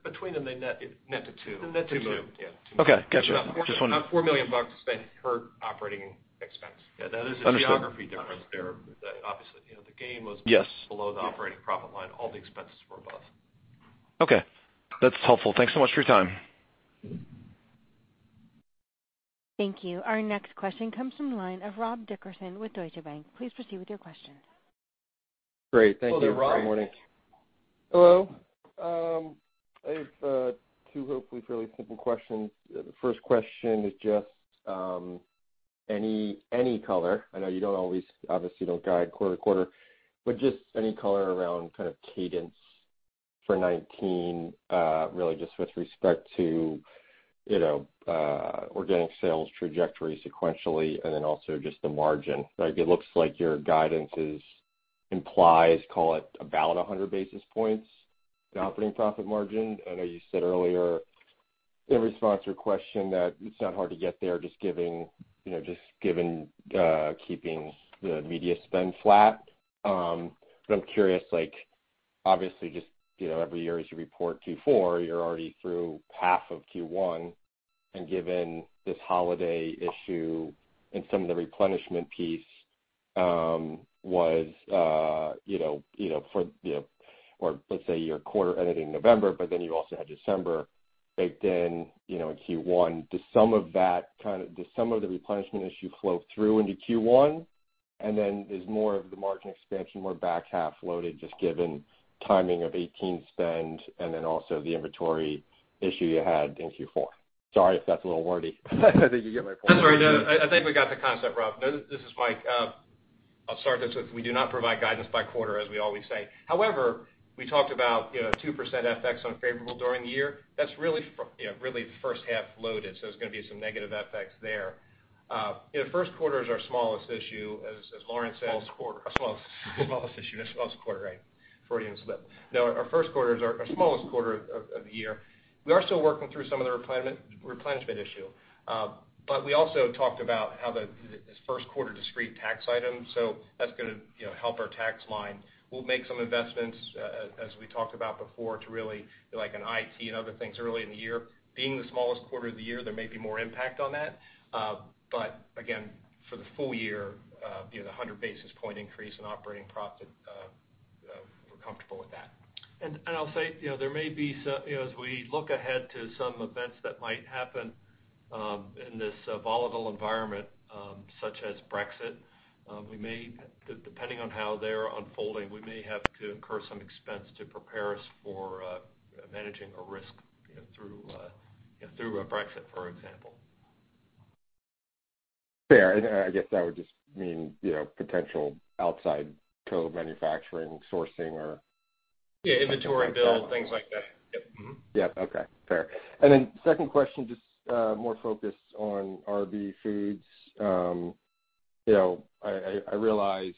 Between them, they net to $2 million. Net to $2 million. $2 million, yeah. Okay, got you. About $4 million spent per operating expense. Understood. Yeah, that is a geography difference there. Obviously, the gain below the operating profit line, all the expenses were above. Okay. That's helpful. Thanks so much for your time. Thank you. Our next question comes from the line of Robert Dickerson with Deutsche Bank. Please proceed with your question. Great. Thank you. Hello, Robert. Good morning. Hello. I have two hopefully fairly simple questions. The first question is just any color. I know you obviously don't guide quarter to quarter, but just any color around cadence for 2019, really just with respect to organic sales trajectory sequentially and then also just the margin. It looks like your guidance implies, call it, about 100 basis points to operating profit margin. I know you said earlier in response to a question that it's not hard to get there just keeping the media spend flat. I'm curious, obviously, just every year as you report Q4, you're already through half of Q1. Given this holiday issue and some of the replenishment piece was, let's say your quarter ending November, but then you also had December baked in Q1. Does some of the replenishment issue flow through into Q1? Is more of the margin expansion more back half loaded just given timing of 2018 spend and also the inventory issue you had in Q4? Sorry if that's a little wordy. I think you get my point. That's all right. No, I think we got the concept, Robert. This is Michael. I'll start this with we do not provide guidance by quarter, as we always say. However, we talked about 2% FX unfavorable during the year. That's really H1 loaded, so there's going to be some negative FX there. Q1 is our smallest issue, as Lawrence said. Smallest quarter. Smallest issue. Smallest quarter, right. Freudian slip. No, our Q1 is our smallest quarter of the year. We are still working through some of the replenishment issue. We also talked about how Q1 discrete tax item, that's going to help our tax line. We'll make some investments, as we talked about before, to really, like in IT and other things early in the year. Being the smallest quarter of the year, there may be more impact on that. Again, for the full year, the 100 basis point increase in operating profit, we're comfortable with that. I'll say, as we look ahead to some events that might happen in this volatile environment, such as Brexit, depending on how they're unfolding, we may have to incur some expense to prepare us for managing a risk through a Brexit, for example. Fair. I guess that would just mean potential outside co-manufacturing, sourcing or- Yeah, inventory build, things like that. Yep. Yep. Okay, fair. Second question, just more focused on RB Foods. I realize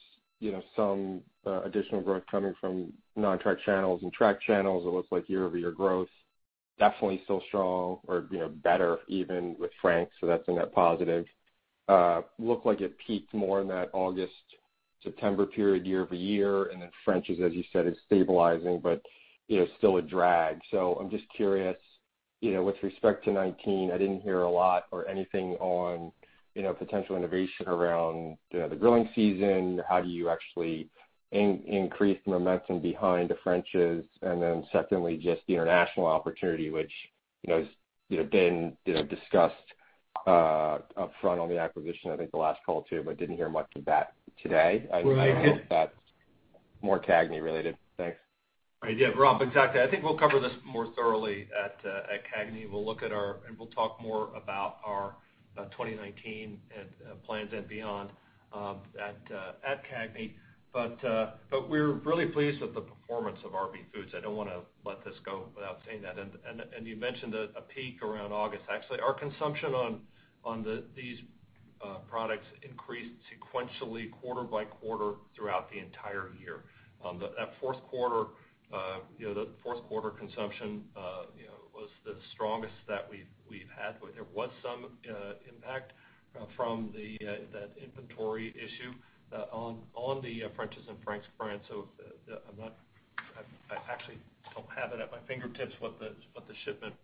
some additional growth coming from non-track channels and track channels, it looks like year-over-year growth, definitely still strong or better even with Frank's, that's a net positive. Look like it peaked more in that August, September period year-over-year, and French's, as you said, is stabilizing but still a drag. I'm just curious, with respect to 2019, I didn't hear a lot or anything on potential innovation around the grilling season. How do you actually increase momentum behind the French's? Secondly, just the international opportunity, which has been discussed upfront on the acquisition, I think the last call, too, but didn't hear much of that today. I guess that's more CAGNY related. Thanks. Right. Yeah, Robert, exactly. I think we'll cover this more thoroughly at CAGNY. We'll talk more about our 2019 plans and beyond at CAGNY. We're really pleased with the performance of RB Foods. I don't want to let this go without saying that. You mentioned a peak around August. Actually, our consumption on these products increased sequentially quarter by quarter throughout the entire year. That Q4 consumption was the strongest that we've had. There was some impact from that inventory issue on the French's and Frank's brand. I actually don't have it at my fingertips what the shipment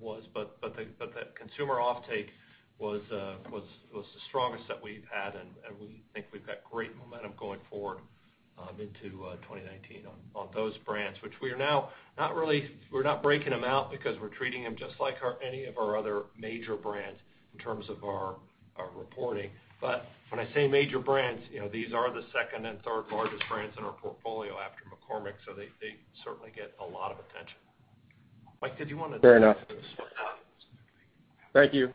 was, the consumer offtake was the strongest that we've had, and we think we've got great momentum going forward into 2019 on those brands, which we're now not breaking them out because we're treating them just like any of our other major brands in terms of our reporting. When I say major brands, these are the second and third largest brands in our portfolio after McCormick, so they certainly get a lot of attention. Michael, did you want to- Fair enough. Thank you.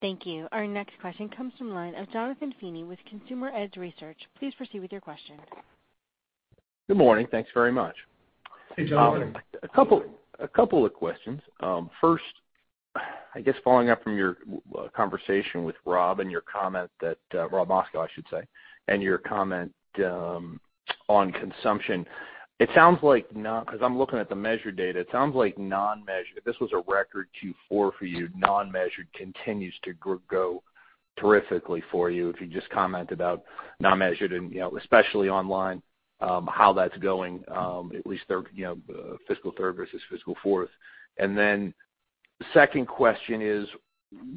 Thank you. Our next question comes from the line of Jonathan Feeney with Consumer Edge Research. Please proceed with your question. Good morning. Thanks very much. Hey, Jonathan. A couple of questions. First, I guess following up from your conversation with Robert and your comment that-- Robert Moskow, I should say, and your comment on consumption. It sounds like now, because I'm looking at the measured data, it sounds like non-measured-- If this was a record Q4 for you, non-measured continues to go terrifically for you. If you just comment about non-measured and especially online, how that's going, at least fiscal Q3 versus fiscal Q4. Then second question is,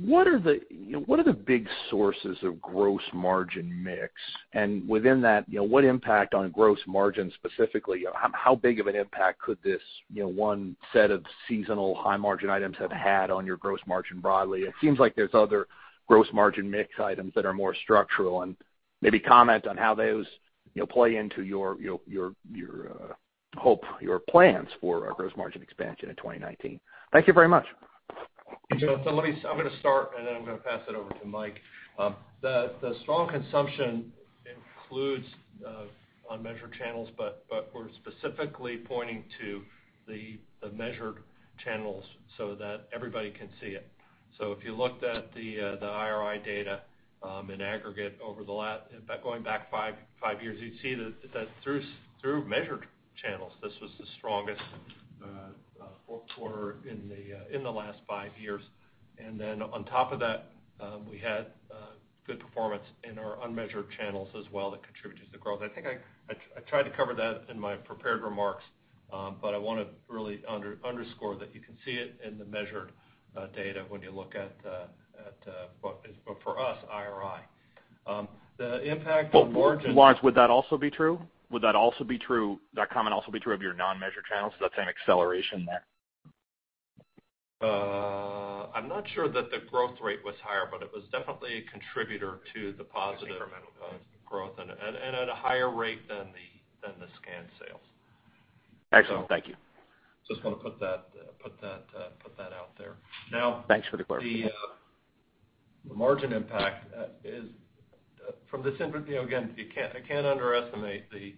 what are the big sources of gross margin mix? And within that, what impact on gross margin specifically? How big of an impact could this one set of seasonal high margin items have had on your gross margin broadly? It seems like there's other gross margin mix items that are more structural, and maybe comment on how those play into your hope, your plans for a gross margin expansion in 2019. Thank you very much. I'm going to start, I'm going to pass it over to Michael. The strong consumption includes unmeasured channels, we're specifically pointing to the measured channels so that everybody can see it. If you looked at the IRI data in aggregate going back five years, you'd see that through measured channels, this was the strongest Q4 in the last five years. On top of that, we had good performance in our unmeasured channels as well that contributed to growth. I think I tried to cover that in my prepared remarks, I want to really underscore that you can see it in the measured data when you look at, for us, IRI. The impact on margin- Lawrence, would that also be true? Would that comment also be true of your non-measured channels, that same acceleration there? I'm not sure that the growth rate was higher, it was definitely a contributor to the positive- Incremental- ...growth at a higher rate than the scanned sales. Excellent. Thank you. Just want to put that out there. Thanks for the clarity. The margin impact is. Again, I can't underestimate the.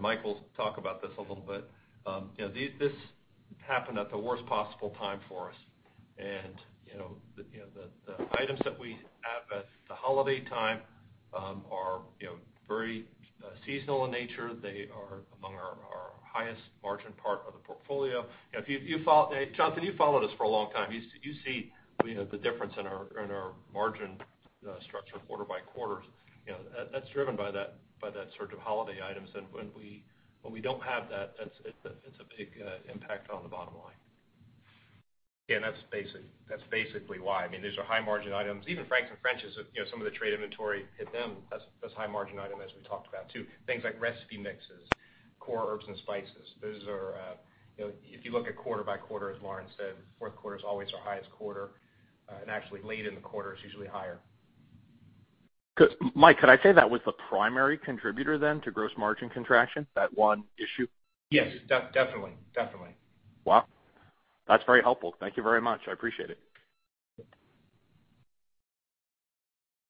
Michael will talk about this a little bit. This happened at the worst possible time for us. The items that we have at the holiday time are very seasonal in nature. They are among our highest margin part of the portfolio. Jonathan, you've followed us for a long time. You see the difference in our margin structure quarter by quarter. That's driven by that surge of holiday items. When we don't have that, it's a big impact on the bottom line. Yeah, that's basically why. I mean, these are high margin items. Even Frank's and French's, some of the trade inventory hit them as high margin item as we talked about, too. Things like recipe mixes, core herbs and spices. If you look at quarter by quarter, as Lawrence said, Q4 is always our highest quarter. Actually late in the quarter is usually higher. Michael, could I say that was the primary contributor then to gross margin contraction, that one issue? Yes, definitely. Wow, that's very helpful. Thank you very much. I appreciate it.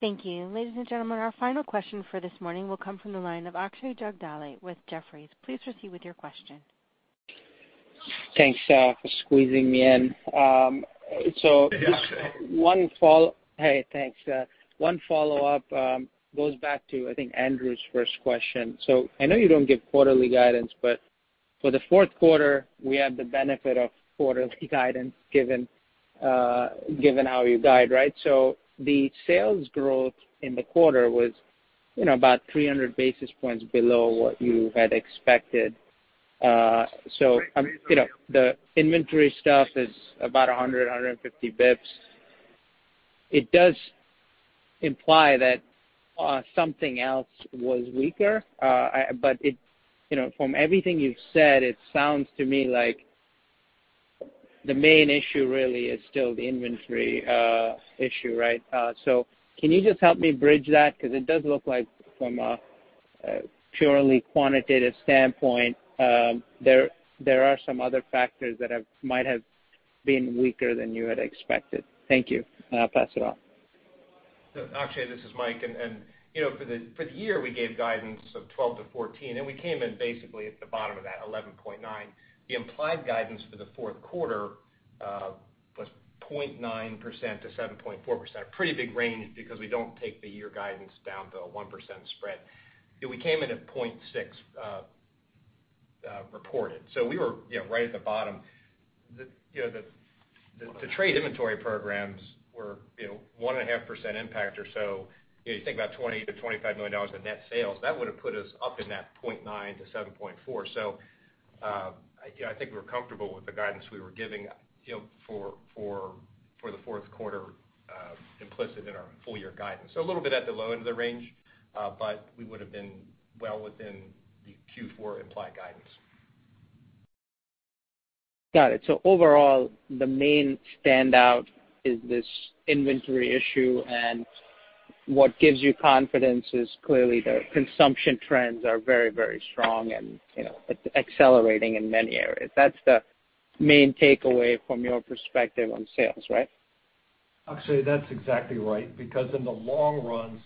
Thank you. Ladies and gentlemen, our final question for this morning will come from the line of Akshay Jagdale with Jefferies. Please proceed with your question. Thanks for squeezing me in. Yeah, Akshay. Hey, thanks. One follow-up goes back to, I think, Andrew Lazar's first question. I know you don't give quarterly guidance, but for Q4, we had the benefit of quarterly guidance, given how you guide, right? The sales growth in the quarter was about 300 basis points below what you had expected. The inventory stuff is about 100, 150 basis points. It does imply that something else was weaker. From everything you've said, it sounds to me like the main issue really is still the inventory issue, right? Can you just help me bridge that? Because it does look like from a purely quantitative standpoint, there are some other factors that might have been weaker than you had expected. Thank you, and I'll pass it on. Akshay Jagdale, this is Michael Smith. For the year, we gave guidance of 12%-14%, and we came in basically at the bottom of that, 11.9%. The implied guidance for Q4, was 0.9%-7.4%, a pretty big range because we don't take the year guidance down to a 1% spread. We came in at 0.6% reported. We were right at the bottom. The trade inventory programs were 1.5% impact or so. You think about $20 million-$25 million in net sales, that would've put us up in that 0.9%-7.4%. I think we're comfortable with the guidance we were giving for Q4, implicit in our full-year guidance. A little bit at the low end of the range, but we would've been well within the Q4 implied guidance. Got it. Overall, the main standout is this inventory issue, and what gives you confidence is clearly the consumption trends are very strong and accelerating in many areas. That's the main takeaway from your perspective on sales, right? Akshay Jagdale, that's exactly right, because in the long run,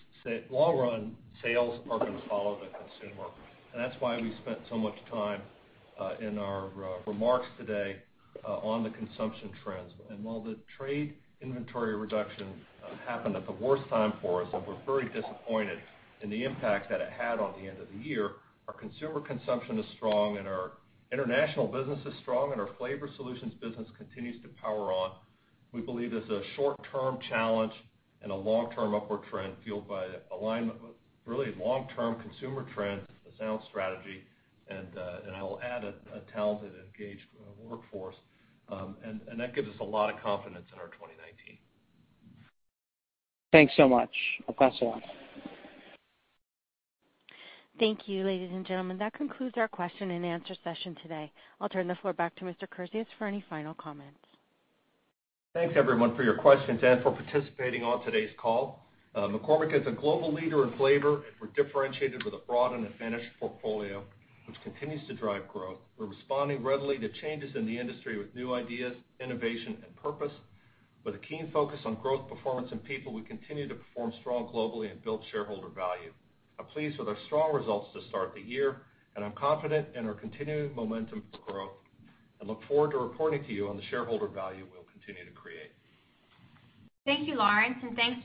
sales are going to follow the consumer. That's why we spent so much time in our remarks today on the consumption trends. While the trade inventory reduction happened at the worst time for us, and we're very disappointed in the impact that it had on the end of the year, our consumer consumption is strong and our international business is strong, and our Flavor Solutions business continues to power on. We believe there's a short-term challenge and a long-term upward trend fueled by the alignment with really long-term consumer trends, a sound strategy, and I will add a talented, engaged workforce. That gives us a lot of confidence in our 2019. Thanks so much. I'll pass it on. Thank you, ladies and gentlemen. That concludes our question and answer session today. I'll turn the floor back to Mr. Kurzius for any final comments. Thanks everyone for your questions and for participating on today's call. McCormick is a global leader in flavor. We're differentiated with a broad and advanced portfolio, which continues to drive growth. We're responding readily to changes in the industry with new ideas, innovation, and purpose. With a keen focus on growth, performance, and people, we continue to perform strong globally and build shareholder value. I'm pleased with our strong results to start the year. I'm confident in our continued momentum for growth. I look forward to reporting to you on the shareholder value we'll continue to create. Thank you, Lawrence. Thanks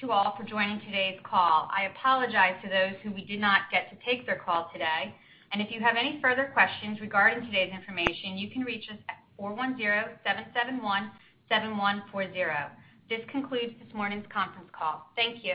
to all for joining today's call. I apologize to those who we did not get to take their call today. If you have any further questions regarding today's information, you can reach us at 410-771-7140. This concludes this morning's conference call. Thank you.